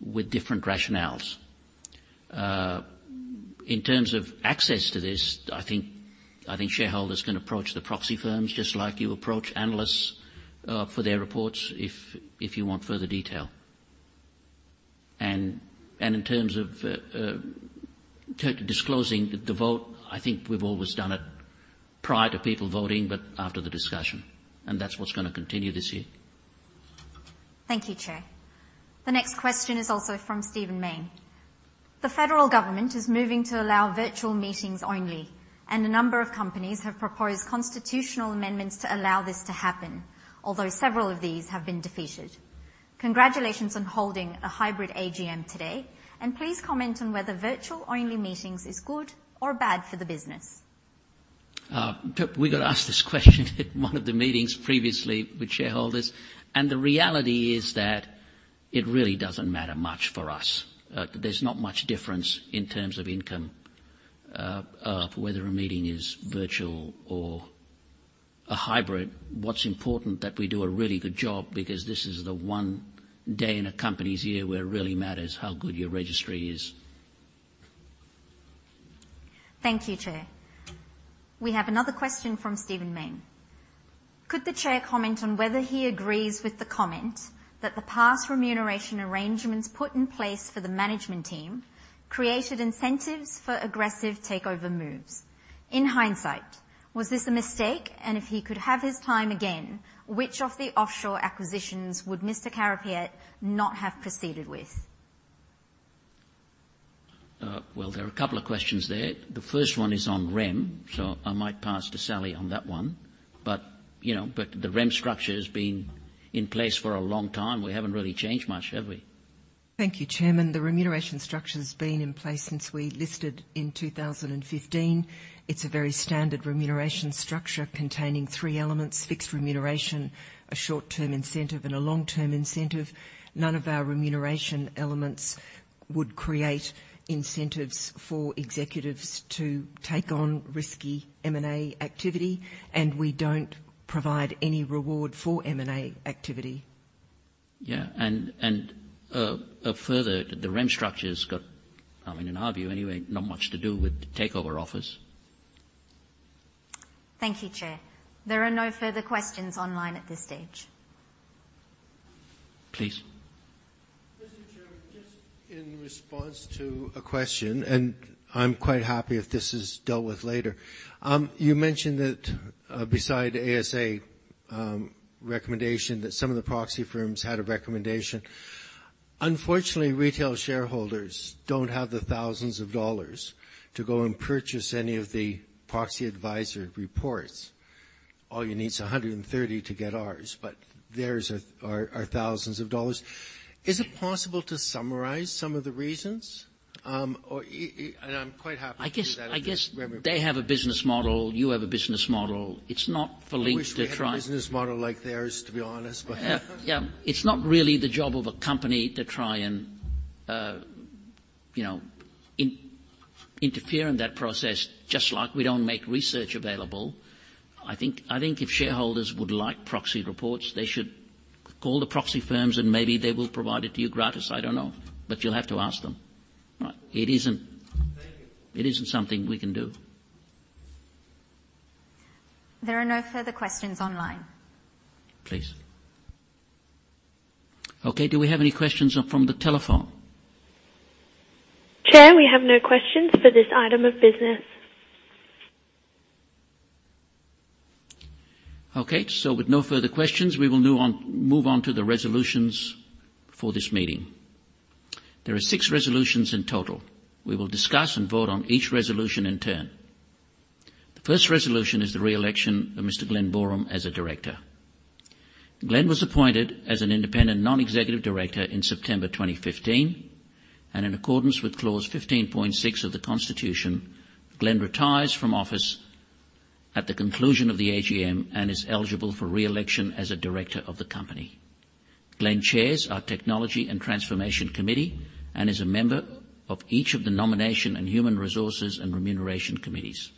with different rationales. In terms of access to this, I think shareholders can approach the proxy firms just like you approach analysts for their reports if you want further detail. In terms of disclosing the vote, I think we've always done it prior to people voting, but after the discussion. That's what's gonna continue this year. Thank you, Chair. The next question is also from Stephen Mayne. The federal government is moving to allow virtual meetings only, and a number of companies have proposed constitutional amendments to allow this to happen, although several of these have been defeated. Congratulations on holding a hybrid AGM today, and please comment on whether virtual-only meetings is good or bad for the business. We got asked this question at one of the meetings previously with shareholders, and the reality is that it really doesn't matter much for us. There's not much difference in terms of income, whether a meeting is virtual or a hybrid. What's important that we do a really good job because this is the one day in a company's year where it really matters how good your registry is. Thank you, Chair. We have another question from Stephen Mayne. Could the Chair comment on whether he agrees with the comment that the past remuneration arrangements put in place for the management team created incentives for aggressive takeover moves? In hindsight, was this a mistake? And if he could have his time again, which of the offshore acquisitions would Mr. Carapiet not have proceeded with? Well, there are a couple of questions there. The first one is on REM, so I might pass to Sally on that one. You know, the REM structure has been in place for a long time. We haven't really changed much, have we? Thank you, Chairman. The remuneration structure's been in place since we listed in 2015. It's a very standard remuneration structure containing three elements, Fixed Remuneration, Short-Term Incentive, and a Long-Term Incentive. None of our remuneration elements would create incentives for executives to take on risky M&A activity, and we don't provide any reward for M&A activity. Further, the REM structure's got, I mean, in our view anyway, not much to do with the takeover offers. Thank you, Chair. There are no further questions online at this stage. Please. Mr. Chair, just in response to a question, and I'm quite happy if this is dealt with later. You mentioned that, besides ASA recommendation that some of the proxy firms had a recommendation. Unfortunately, retail shareholders don't have thousands dollars to go and purchase any of the proxy advisor reports. All you need is 130 to get ours, but theirs are thousands of dollars. Is it possible to summarize some of the reasons? Or, I'm quite happy to do that if it's- I guess they have a business model. You have a business model. It's not for Link to try- I wish we had a business model like theirs, to be honest, but. Yeah. It's not really the job of a company to try and you know interfere in that process, just like we don't make research available. I think if shareholders would like proxy reports, they should call the proxy firms and maybe they will provide it to you gratis. I don't know. You'll have to ask them. All right. It isn't. Thank you. It isn't something we can do. There are no further questions online. Please. Okay. Do we have any questions from the telephone? Chair, we have no questions for this item of business. Okay. With no further questions, we will move on to the resolutions for this meeting. There are six resolutions in total. We will discuss and vote on each resolution in turn. The first resolution is the reelection of Mr. Glen Boreham as a Director. Glen was appointed as Independent Non-Executive Director in September 2015, and in accordance with Clause 15.6 of the constitution, Glen retires from office at the conclusion of the AGM and is eligible for re-election as a Director of the company. Glen chairs our Technology and Transformation Committee and is a member of each of the Nomination and Human Resources and Remuneration Committees.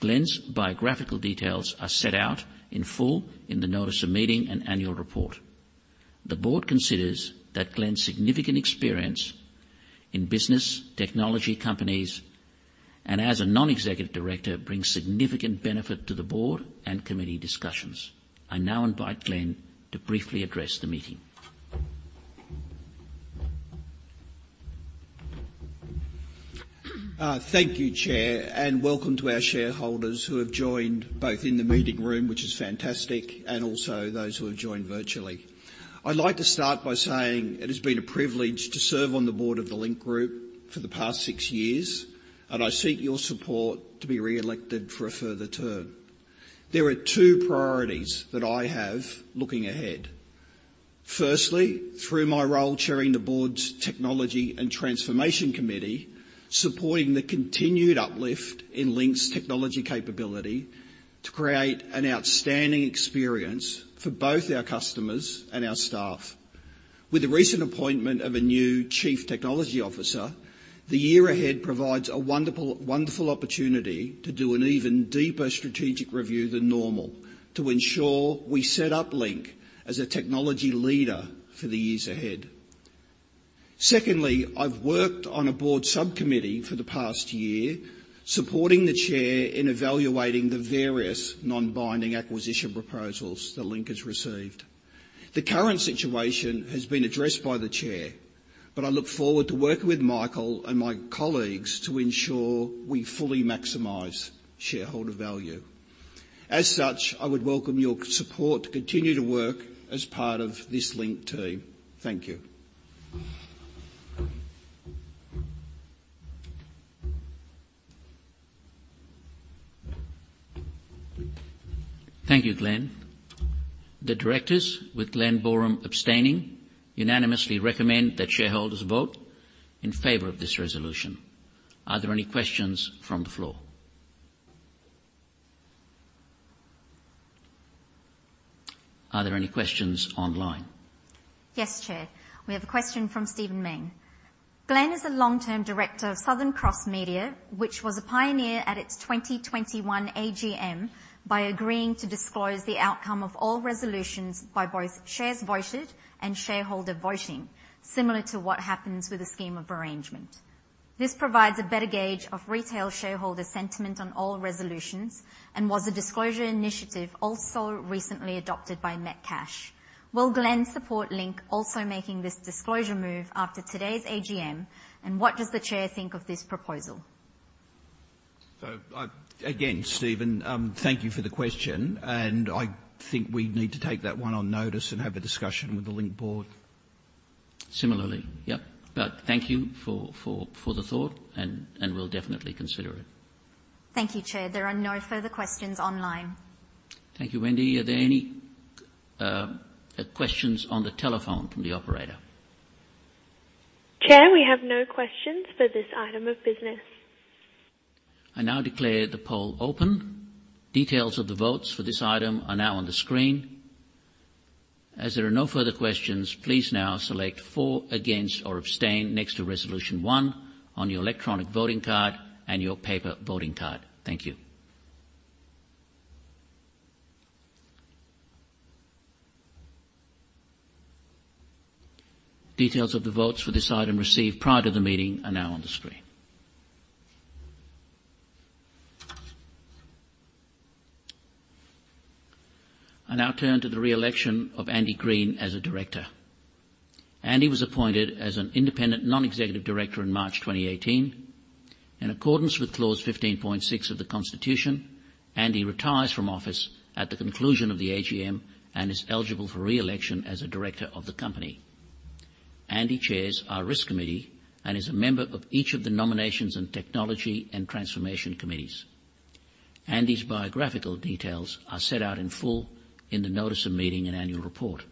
Glen's biographical details are set out in full in the Notice of Meeting and Annual Report. The board considers that Glen's significant experience in business, technology companies, and as a Non-Executive Director brings significant benefit to the board and committee discussions. I now invite Glen to briefly address the meeting. Thank you, Chair, and welcome to our shareholders who have joined, both in the meeting room, which is fantastic, and also those who have joined virtually. I'd like to start by saying it has been a privilege to serve on the board of the Link Group for the past six years, and I seek your support to be re-elected for a further term. There are two priorities that I have looking ahead. Firstly, through my role chairing the board's Technology and Transformation committee, supporting the continued uplift in Link's technology capability to create an outstanding experience for both our customers and our staff. With the recent appointment of a new Chief Technology Officer, the year ahead provides a wonderful opportunity to do an even deeper strategic review than normal, to ensure we set up Link as a technology leader for the years ahead. Secondly, I've worked on a board subcommittee for the past year, supporting the chair in evaluating the various non-binding acquisition proposals that Link has received. The current situation has been addressed by the chair, but I look forward to working with Michael and my colleagues to ensure we fully maximize shareholder value. As such, I would welcome your support to continue to work as part of this Link team. Thank you. Thank you, Glen. The Directors with Glen Boreham abstaining unanimously recommend that shareholders vote in favor of this resolution. Are there any questions from the floor? Are there any questions online? Yes, Chair. We have a question from Stephen Mayne. Glen is a long-term Director of Southern Cross Media, which was a pioneer at its 2021 AGM by agreeing to disclose the outcome of all resolutions by both shares voted and shareholder voting, similar to what happens with a scheme of arrangement. This provides a better gauge of retail shareholder sentiment on all resolutions and was a disclosure initiative also recently adopted by Metcash. Will Glen support Link also making this disclosure move after today's AGM, and what does the Chair think of this proposal? Again, Stephen, thank you for the question, and I think we need to take that one on notice and have a discussion with the Link board. Similarly. Yep. Thank you for the thought, and we'll definitely consider it. Thank you, Chair. There are no further questions online. Thank you, Wendy. Are there any questions on the telephone from the operator? Chair, we have no questions for this item of business. I now declare the poll open. Details of the votes for this item are now on the screen. As there are no further questions, please now select For, Against, or Abstain next to Resolution 1 on your electronic voting card and your paper voting card. Thank you. Details of the votes for this item received prior to the meeting are now on the screen. I now turn to the re-election of Andy Green as a Director. Andy was appointed as Independent Non-Executive Director in March 2018. In accordance with Clause 15.6 of the Constitution, Andy retires from office at the conclusion of the AGM and is eligible for re-election as a Director of the company. Andy chairs our Risk Committee and is a member of each of the Nominations and Technology and Transformation Committees. Andy's biographical details are set out in full in the Notice of Meeting and Annual Report.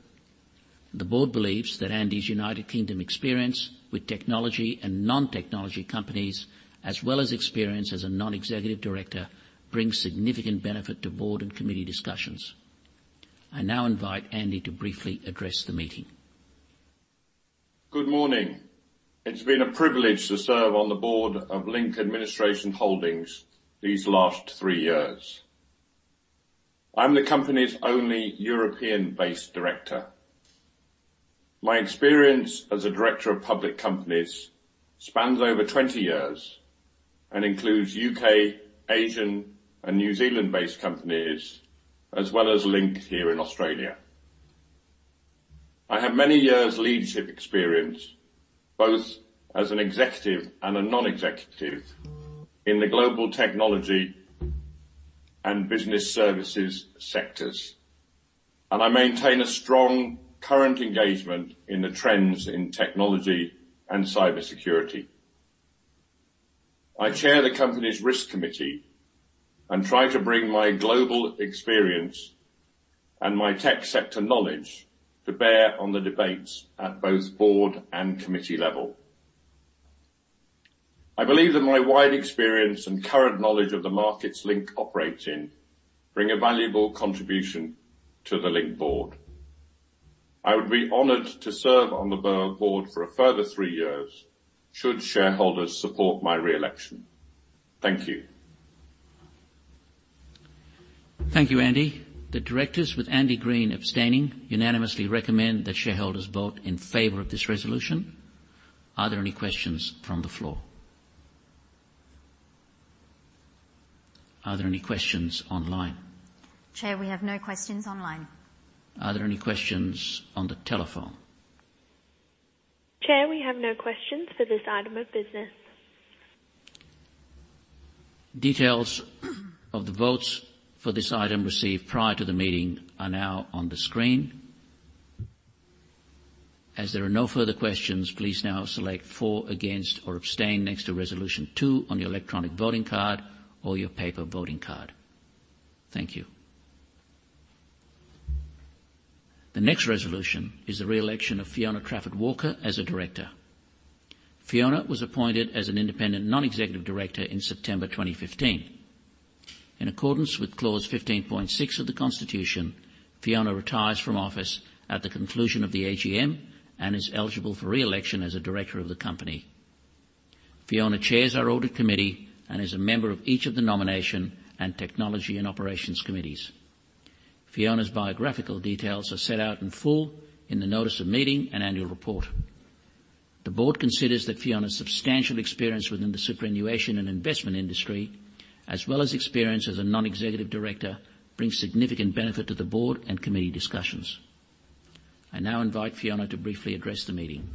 The board believes that Andy's United Kingdom experience with technology and non-technology companies, as well as experience as a Non-Executive Director, brings significant benefit to board and committee discussions. I now invite Andy to briefly address the meeting. Good morning. It's been a privilege to serve on the board of Link Administration Holdings these last three years. I'm the company's only European-based Director. My experience as a Director of public companies spans over 20 years and includes U.K., Asian, and New Zealand-based companies, as well as Link here in Australia. I have many years leadership experience, both as an Executive and a Non-Executive, in the global technology and business services sectors, and I maintain a strong current engagement in the trends in technology and cybersecurity. I chair the company's Risk Committee and try to bring my global experience and my tech sector knowledge to bear on the debates at both board and committee level. I believe that my wide experience and current knowledge of the markets Link operate in bring a valuable contribution to the Link board. I would be honoured to serve on the board for a further three years should shareholders support my re-election. Thank you. Thank you, Andy. The Directors with Andy Green abstaining unanimously recommend that shareholders vote in favor of this resolution. Are there any questions from the floor? Are there any questions online? Chair, we have no questions online. Are there any questions on the telephone? Chair, we have no questions for this item of business. Details of the votes for this item received prior to the meeting are now on the screen. As there are no further questions, please now select For, Against, or Abstain next to Resolution 2 on your electronic voting card or your paper voting card. Thank you. The next resolution is the re-election of Fiona Trafford-Walker as a Director. Fiona was appointed as Independent Non-Executive Director in September 2015. In accordance with Clause 15.6 of the Constitution, Fiona retires from office at the conclusion of the AGM and is eligible for re-election as a Director of the company. Fiona chairs our Audit Committee and is a member of each of the Nomination and Technology and Operations Committees. Fiona's biographical details are set out in full in the Notice of Meeting and Annual Report. The board considers that Fiona's substantial experience within the superannuation and investment industry, as well as experience as a Non-Executive Director, brings significant benefit to the board and committee discussions. I now invite Fiona to briefly address the meeting.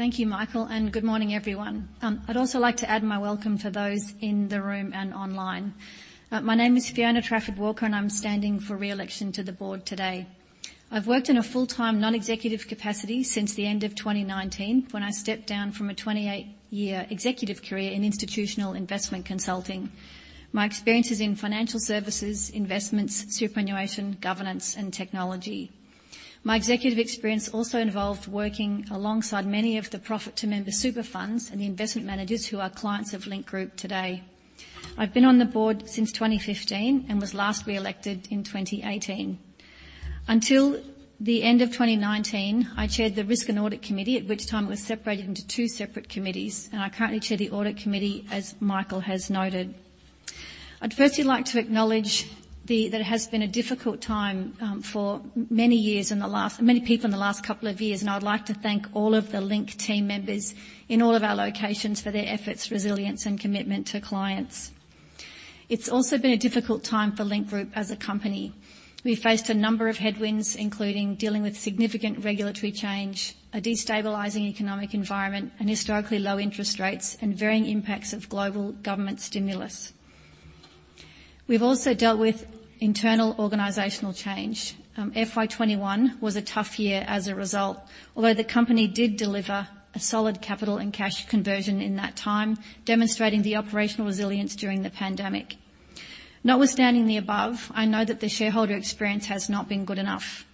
Thank you, Michael, and good morning, everyone. I'd also like to add my welcome to those in the room and online. My name is Fiona Trafford-Walker, and I'm standing for re-election to the board today. I've worked in a full-time, non-executive capacity since the end of 2019 when I stepped down from a 28-year executive career in institutional investment consulting. My experience is in financial services, investments, superannuation, governance, and technology. My executive experience also involved working alongside many of the profit-to-member super funds and the investment managers who are clients of Link Group today. I've been on the board since 2015 and was last re-elected in 2018. Until the end of 2019, I chaired the Risk and Audit Committee, at which time it was separated into two separate committees, and I currently chair the Audit Committee as Michael has noted. I'd firstly like to acknowledge that it has been a difficult time for many people in the last couple of years, and I'd like to thank all of the Link team members in all of our locations for their efforts, resilience, and commitment to clients. It's also been a difficult time for Link Group as a company. We faced a number of headwinds, including dealing with significant regulatory change, a destabilizing economic environment, and historically low interest rates, and varying impacts of global government stimulus. We've also dealt with internal organizational change. FY 2021 was a tough year as a result. Although the company did deliver a solid capital and cash conversion in that time, demonstrating the operational resilience during the pandemic. Notwithstanding the above, I know that the shareholder experience has not been good enough.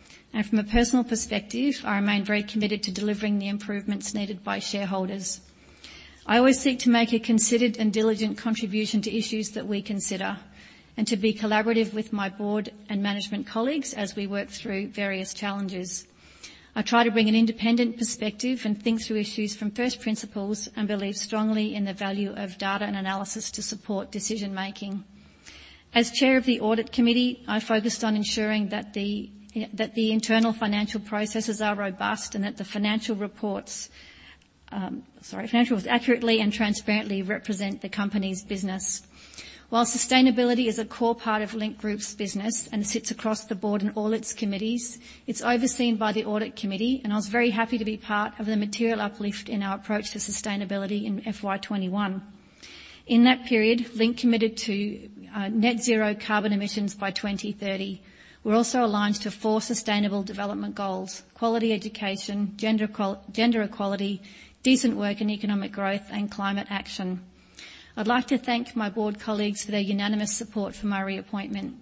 From a personal perspective, I remain very committed to delivering the improvements needed by shareholders. I always seek to make a considered and diligent contribution to issues that we consider, and to be collaborative with my board and management colleagues as we work through various challenges. I try to bring an independent perspective and think through issues from first principles and believe strongly in the value of data and analysis to support decision-making. As Chair of the Audit Committee, I focused on ensuring that the internal financial processes are robust and that the financial reports accurately and transparently represent the company's business. While sustainability is a core part of Link Group's business and sits across the board in all its committees, it's overseen by the audit committee, and I was very happy to be part of the material uplift in our approach to sustainability in FY 2021. In that period, Link committed to net zero carbon emissions by 2030. We're also aligned to four Sustainable Development Goals: Quality Education, Gender Equality, Decent Work and Economic Growth, and Climate Action. I'd like to thank my board colleagues for their unanimous support for my reappointment.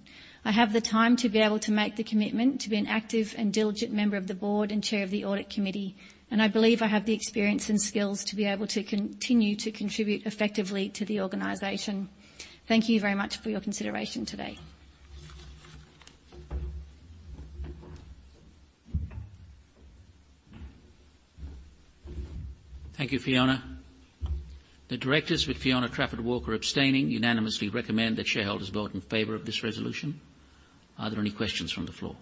I have the time to be able to make the commitment to be an active and diligent member of the board and Chair of the Audit Committee, and I believe I have the experience and skills to be able to continue to contribute effectively to the organization. Thank you very much for your consideration today. Thank you, Fiona. The Directors, with Fiona Trafford-Walker abstaining, unanimously recommend that shareholders vote in favor of this resolution. Are there any questions from the floor?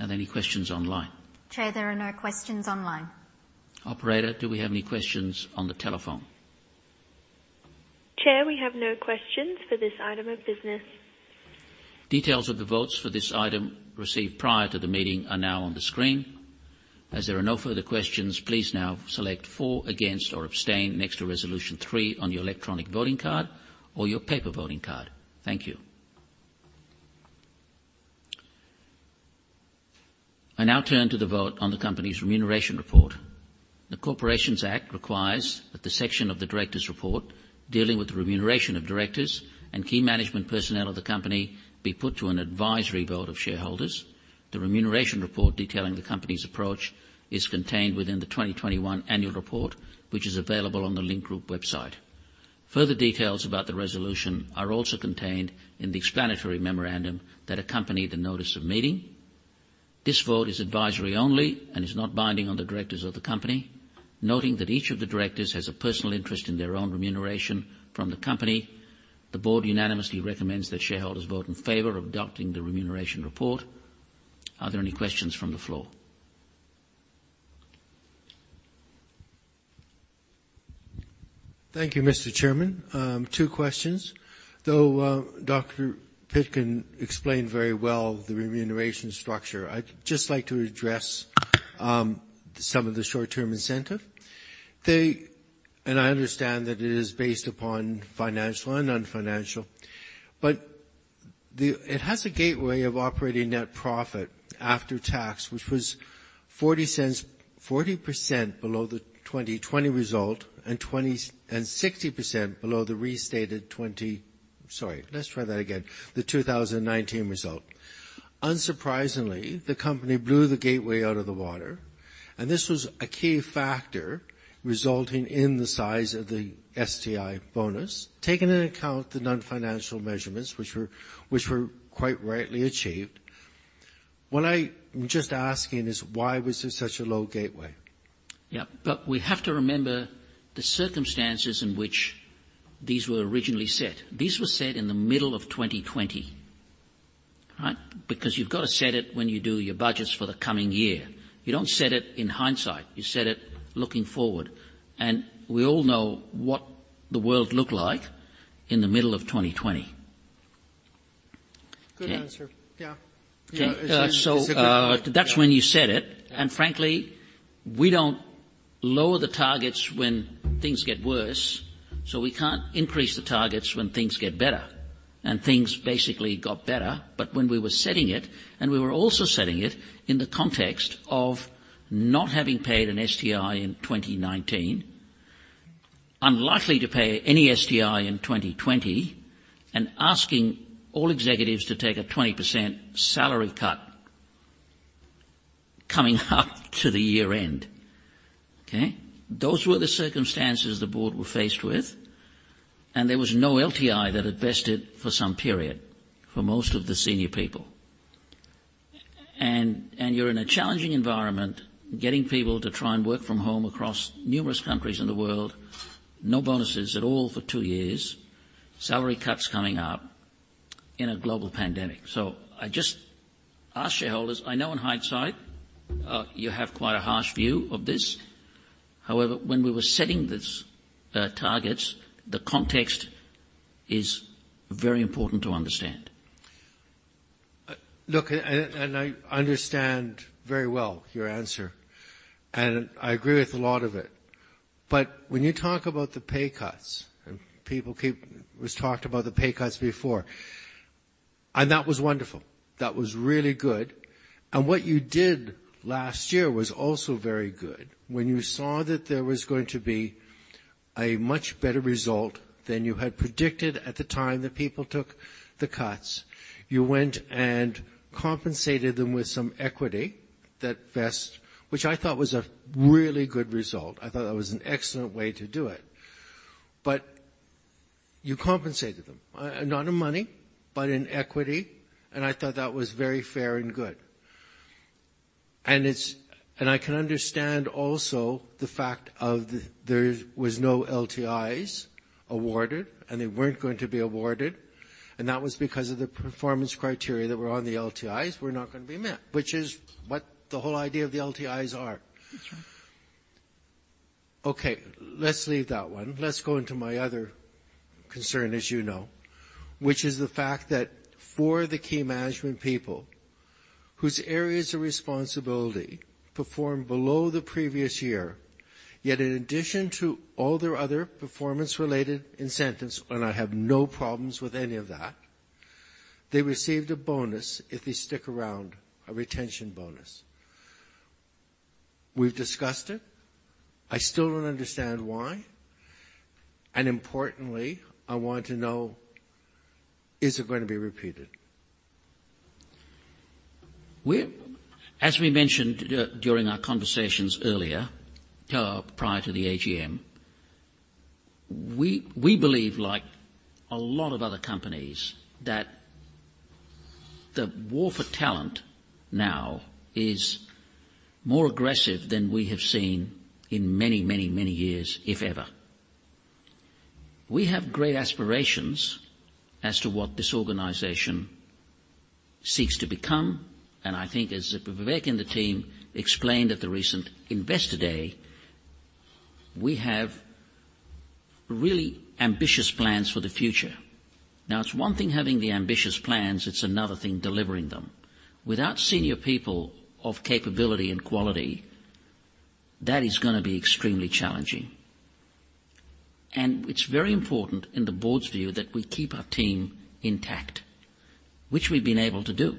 Are there any questions online? Chair, there are no questions online. Operator, do we have any questions on the telephone? Chair, we have no questions for this item of business. Details of the votes for this item received prior to the meeting are now on the screen. As there are no further questions, please now select For, Against, or Abstain next to resolution three on your electronic voting card or your paper voting card. Thank you. I now turn to the vote on the company's remuneration report. The Corporations Act requires that the section of the Directors' Report dealing with the Remuneration of Directors and key management personnel of the company be put to an advisory vote of shareholders. The remuneration report detailing the company's approach is contained within the 2021 Annual Report, which is available on the Link Group website. Further details about the resolution are also contained in the explanatory memorandum that accompany the Notice of Meeting. This vote is advisory only and is not binding on the Directors of the company. Noting that each of the Directors has a personal interest in their own remuneration from the company, the board unanimously recommends that shareholders vote in favour of adopting the remuneration report. Are there any questions from the floor? Thank you, Mr. Chairman. Two questions. Though Dr. Pitkin explained very well the remuneration structure, I'd just like to address some of Short-Term Incentive. the sti, and I understand that it is based upon financial and non-financial. It has a gateway of operating net profit after tax, which was 40% below the 2020 result and 60% below the restated 2019 result. Unsurprisingly, the company blew the gateway out of the water, and this was a key factor resulting in the size of the STI bonus. Taking into account the non-financial measurements, which were quite rightly achieved, what I am just asking is: Why was there such a low gateway? Yeah. We have to remember the circumstances in which these were originally set. These were set in the middle of 2020, right? Because you've got to set it when you do your budgets for the coming year. You don't set it in hindsight. You set it looking forward. We all know what the world looked like in the middle of 2020. Good answer. Yeah. Okay. That's when you set it. Frankly, we don't lower the targets when things get worse, so we can't increase the targets when things get better. Things basically got better. When we were setting it, and we were also setting it in the context of not having paid an STI in 2019, unlikely to pay any STI in 2020, and asking all executives to take a 20% salary cut coming up to the year-end. Okay? Those were the circumstances the board were faced with. There was no LTI that had vested for some period for most of the senior people. You're in a challenging environment, getting people to try and work from home across numerous countries in the world. No bonuses at all for two years. Salary cuts coming up. In a global pandemic. I just ask shareholders, I know in hindsight, you have quite a harsh view of this. However, when we were setting these targets, the context is very important to understand. Look, I understand very well your answer, and I agree with a lot of it. When you talk about the pay cuts, it was talked about the pay cuts before, and that was wonderful. That was really good. What you did last year was also very good. When you saw that there was going to be a much better result than you had predicted at the time that people took the cuts, you went and compensated them with some equity that vest, which I thought was a really good result. I thought that was an excellent way to do it. You compensated them not in money, but in equity, and I thought that was very fair and good. I can understand also the fact that there was no LTIs awarded, and they weren't going to be awarded, and that was because of the performance criteria that were on the LTIs were not gonna be met, which is what the whole idea of the LTIs are. That's right. Okay, let's leave that one. Let's go into my other concern, as you know, which is the fact that for the key management people whose areas of responsibility performed below the previous year, yet in addition to all their other performance-related incentives, and I have no problems with any of that, they received a bonus if they stick around, a retention bonus. We've discussed it. I still don't understand why. Importantly, I want to know, is it gonna be repeated? As we mentioned during our conversations earlier, prior to the AGM, we believe like a lot of other companies, that the war for talent now is more aggressive than we have seen in many, many, many years, if ever. We have great aspirations as to what this organization seeks to become, and I think as Vivek and the team explained at the recent Investor Day, we have really ambitious plans for the future. Now, it's one thing having the ambitious plans, it's another thing delivering them. Without senior people of capability and quality, that is gonna be extremely challenging. It's very important in the board's view that we keep our team intact, which we've been able to do.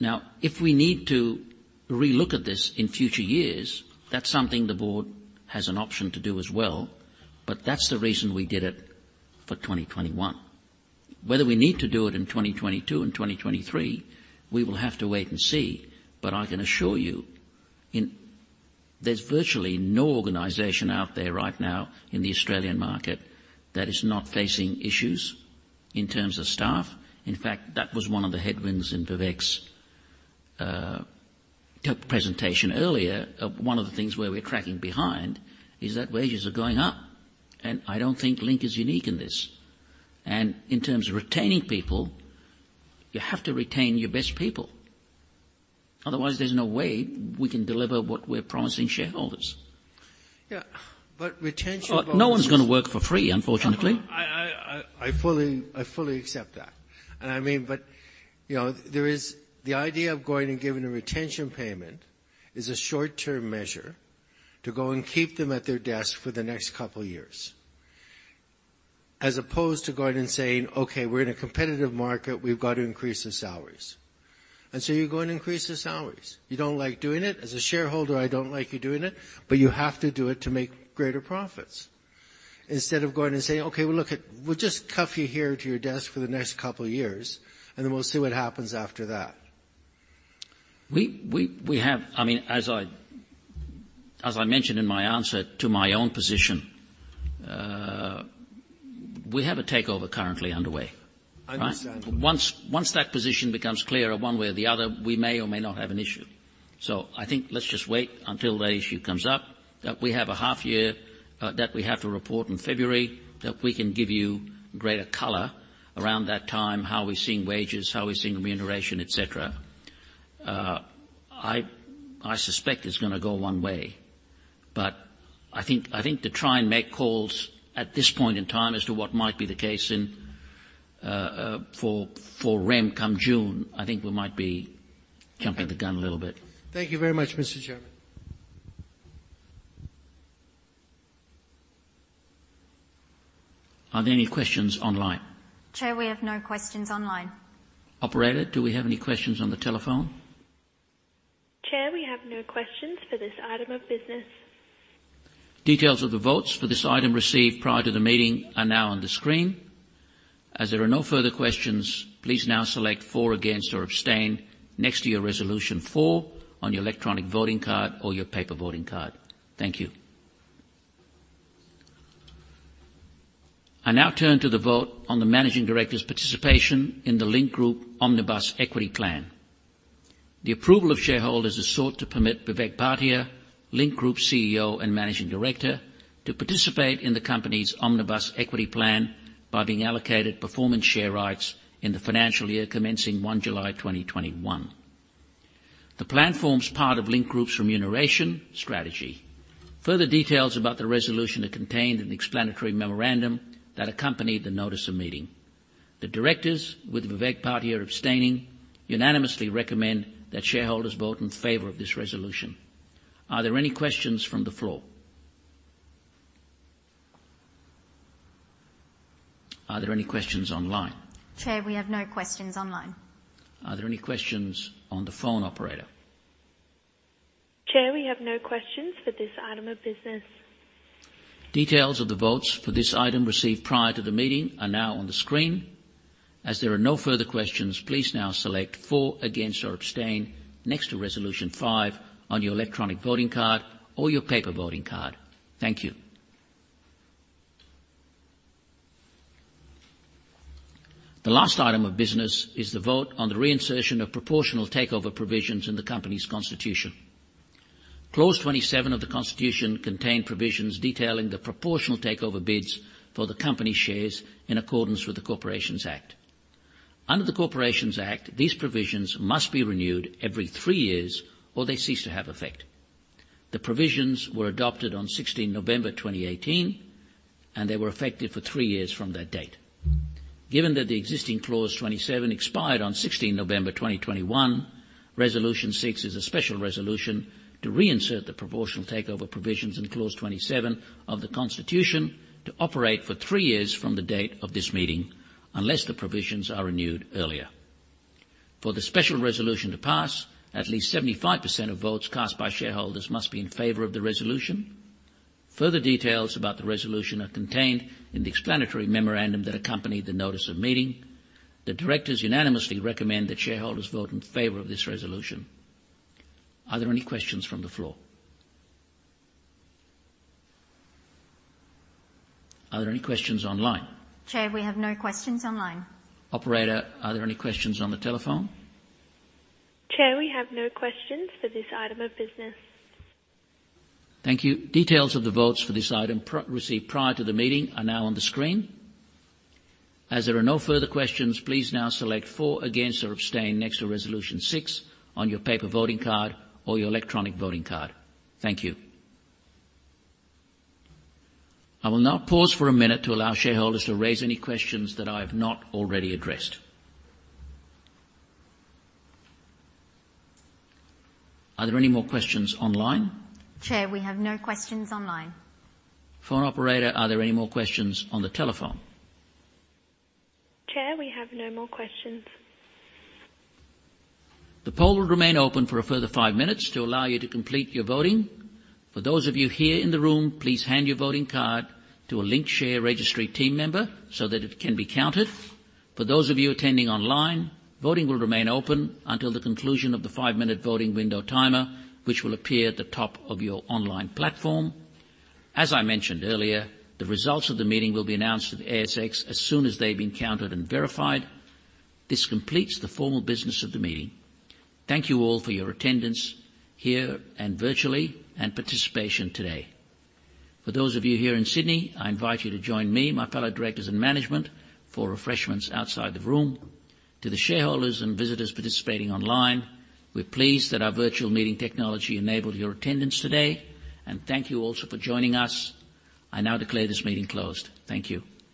Now, if we need to relook at this in future years, that's something the board has an option to do as well, but that's the reason we did it for 2021. Whether we need to do it in 2022 and 2023, we will have to wait and see. But I can assure you, there's virtually no organization out there right now in the Australian market that is not facing issues in terms of staff. In fact, that was one of the headwinds in Vivek's presentation earlier. One of the things where we're tracking behind is that wages are going up, and I don't think Link is unique in this. In terms of retaining people, you have to retain your best people. Otherwise, there's no way we can deliver what we're promising shareholders. Yeah, but retention. No one's gonna work for free, unfortunately. I fully accept that. I mean, but, you know, there is the idea of going and giving a retention payment is a short-term measure to go and keep them at their desk for the next couple of years, as opposed to going and saying, "Okay, we're in a competitive market, we've got to increase the salaries." You go and increase the salaries. You don't like doing it. As a shareholder, I don't like you doing it, but you have to do it to make greater profits. Instead of going and saying, "Okay, well, look at, we'll just cuff you here to your desk for the next couple of years, and then we'll see what happens after that. I mean, as I mentioned in my answer to my own position, we have a takeover currently underway. Understandably. Once that position becomes clearer one way or the other, we may or may not have an issue. I think let's just wait until that issue comes up, that we have a half year that we have to report in February, that we can give you greater color around that time, how we're seeing wages, how we're seeing remuneration, et cetera. I suspect it's gonna go one way. I think to try and make calls at this point in time as to what might be the case in for REM come June, I think we might be jumping the gun a little bit. Thank you very much, Mr. Chairman. Are there any questions online? Chair, we have no questions online. Operator, do we have any questions on the telephone? Chair, we have no questions for this item of business. Details of the votes for this item received prior to the meeting are now on the screen. As there are no further questions, please now select For, Against, or Abstain next to your Resolution 4 on your electronic voting card or your paper voting card. Thank you. I now turn to the vote on the managing Director's participation in the Link Group Omnibus Equity Plan. The approval of shareholders is sought to permit Vivek Bhatia, Link Group CEO and Managing Director, to participate in the company's Omnibus Equity Plan by being allocated performance share rights in the financial year commencing 1 July 2021. The plan forms part of Link Group's remuneration strategy. Further details about the resolution are contained in the explanatory memorandum that accompanied the Notice of Meeting. The Directors, with Vivek Bhatia abstaining, unanimously recommend that shareholders vote in favor of this resolution. Are there any questions from the floor? Are there any questions online? Chair, we have no questions online. Are there any questions on the phone, operator? Chair, we have no questions for this item of business. Details of the votes for this item received prior to the meeting are now on the screen. As there are no further questions, please now select For, Against, or Abstain next to Resolution 5 on your electronic voting card or your paper voting card. Thank you. The last item of business is the vote on the reinsertion of proportional takeover provisions in the company's constitution. Clause 27 of the constitution contain provisions detailing the proportional takeover bids for the company shares in accordance with the Corporations Act. Under the Corporations Act, these provisions must be renewed every three years, or they cease to have effect. The provisions were adopted on 16 November 2018, and they were effective for three years from that date. Given that the existing Clause 27 expired on 16 November 2021, Resolution 6 is a special resolution to reinsert the proportional takeover provisions in Clause 27 of the Constitution to operate for three years from the date of this meeting, unless the provisions are renewed earlier. For the special resolution to pass, at least 75% of votes cast by shareholders must be in favor of the resolution. Further details about the resolution are contained in the explanatory memorandum that accompanied the Notice of Meeting. The Directors unanimously recommend that shareholders vote in favor of this resolution. Are there any questions from the floor? Are there any questions online? Chair, we have no questions online. Operator, are there any questions on the telephone? Chair, we have no questions for this item of business. Thank you. Details of the votes for this item received prior to the meeting are now on the screen. As there are no further questions, please now select For, Against, or Abstain next to Resolution 6 on your paper voting card or your electronic voting card. Thank you. I will now pause for a minute to allow shareholders to raise any questions that I have not already addressed. Are there any more questions online? Chair, we have no questions online. Phone operator, are there any more questions on the telephone? Chair, we have no more questions. The poll will remain open for a further five minutes to allow you to complete your voting. For those of you here in the room, please hand your voting card to a Link Share Registry team member so that it can be counted. For those of you attending online, voting will remain open until the conclusion of the five-minute voting window timer, which will appear at the top of your online platform. As I mentioned earlier, the results of the meeting will be announced at the ASX as soon as they've been counted and verified. This completes the formal business of the meeting. Thank you all for your attendance here and virtually, and participation today. For those of you here in Sydney, I invite you to join me, my fellow Directors and management, for refreshments outside the room. To the shareholders and visitors participating online, we're pleased that our virtual meeting technology enabled your attendance today and thank you also for joining us. I now declare this meeting closed. Thank you.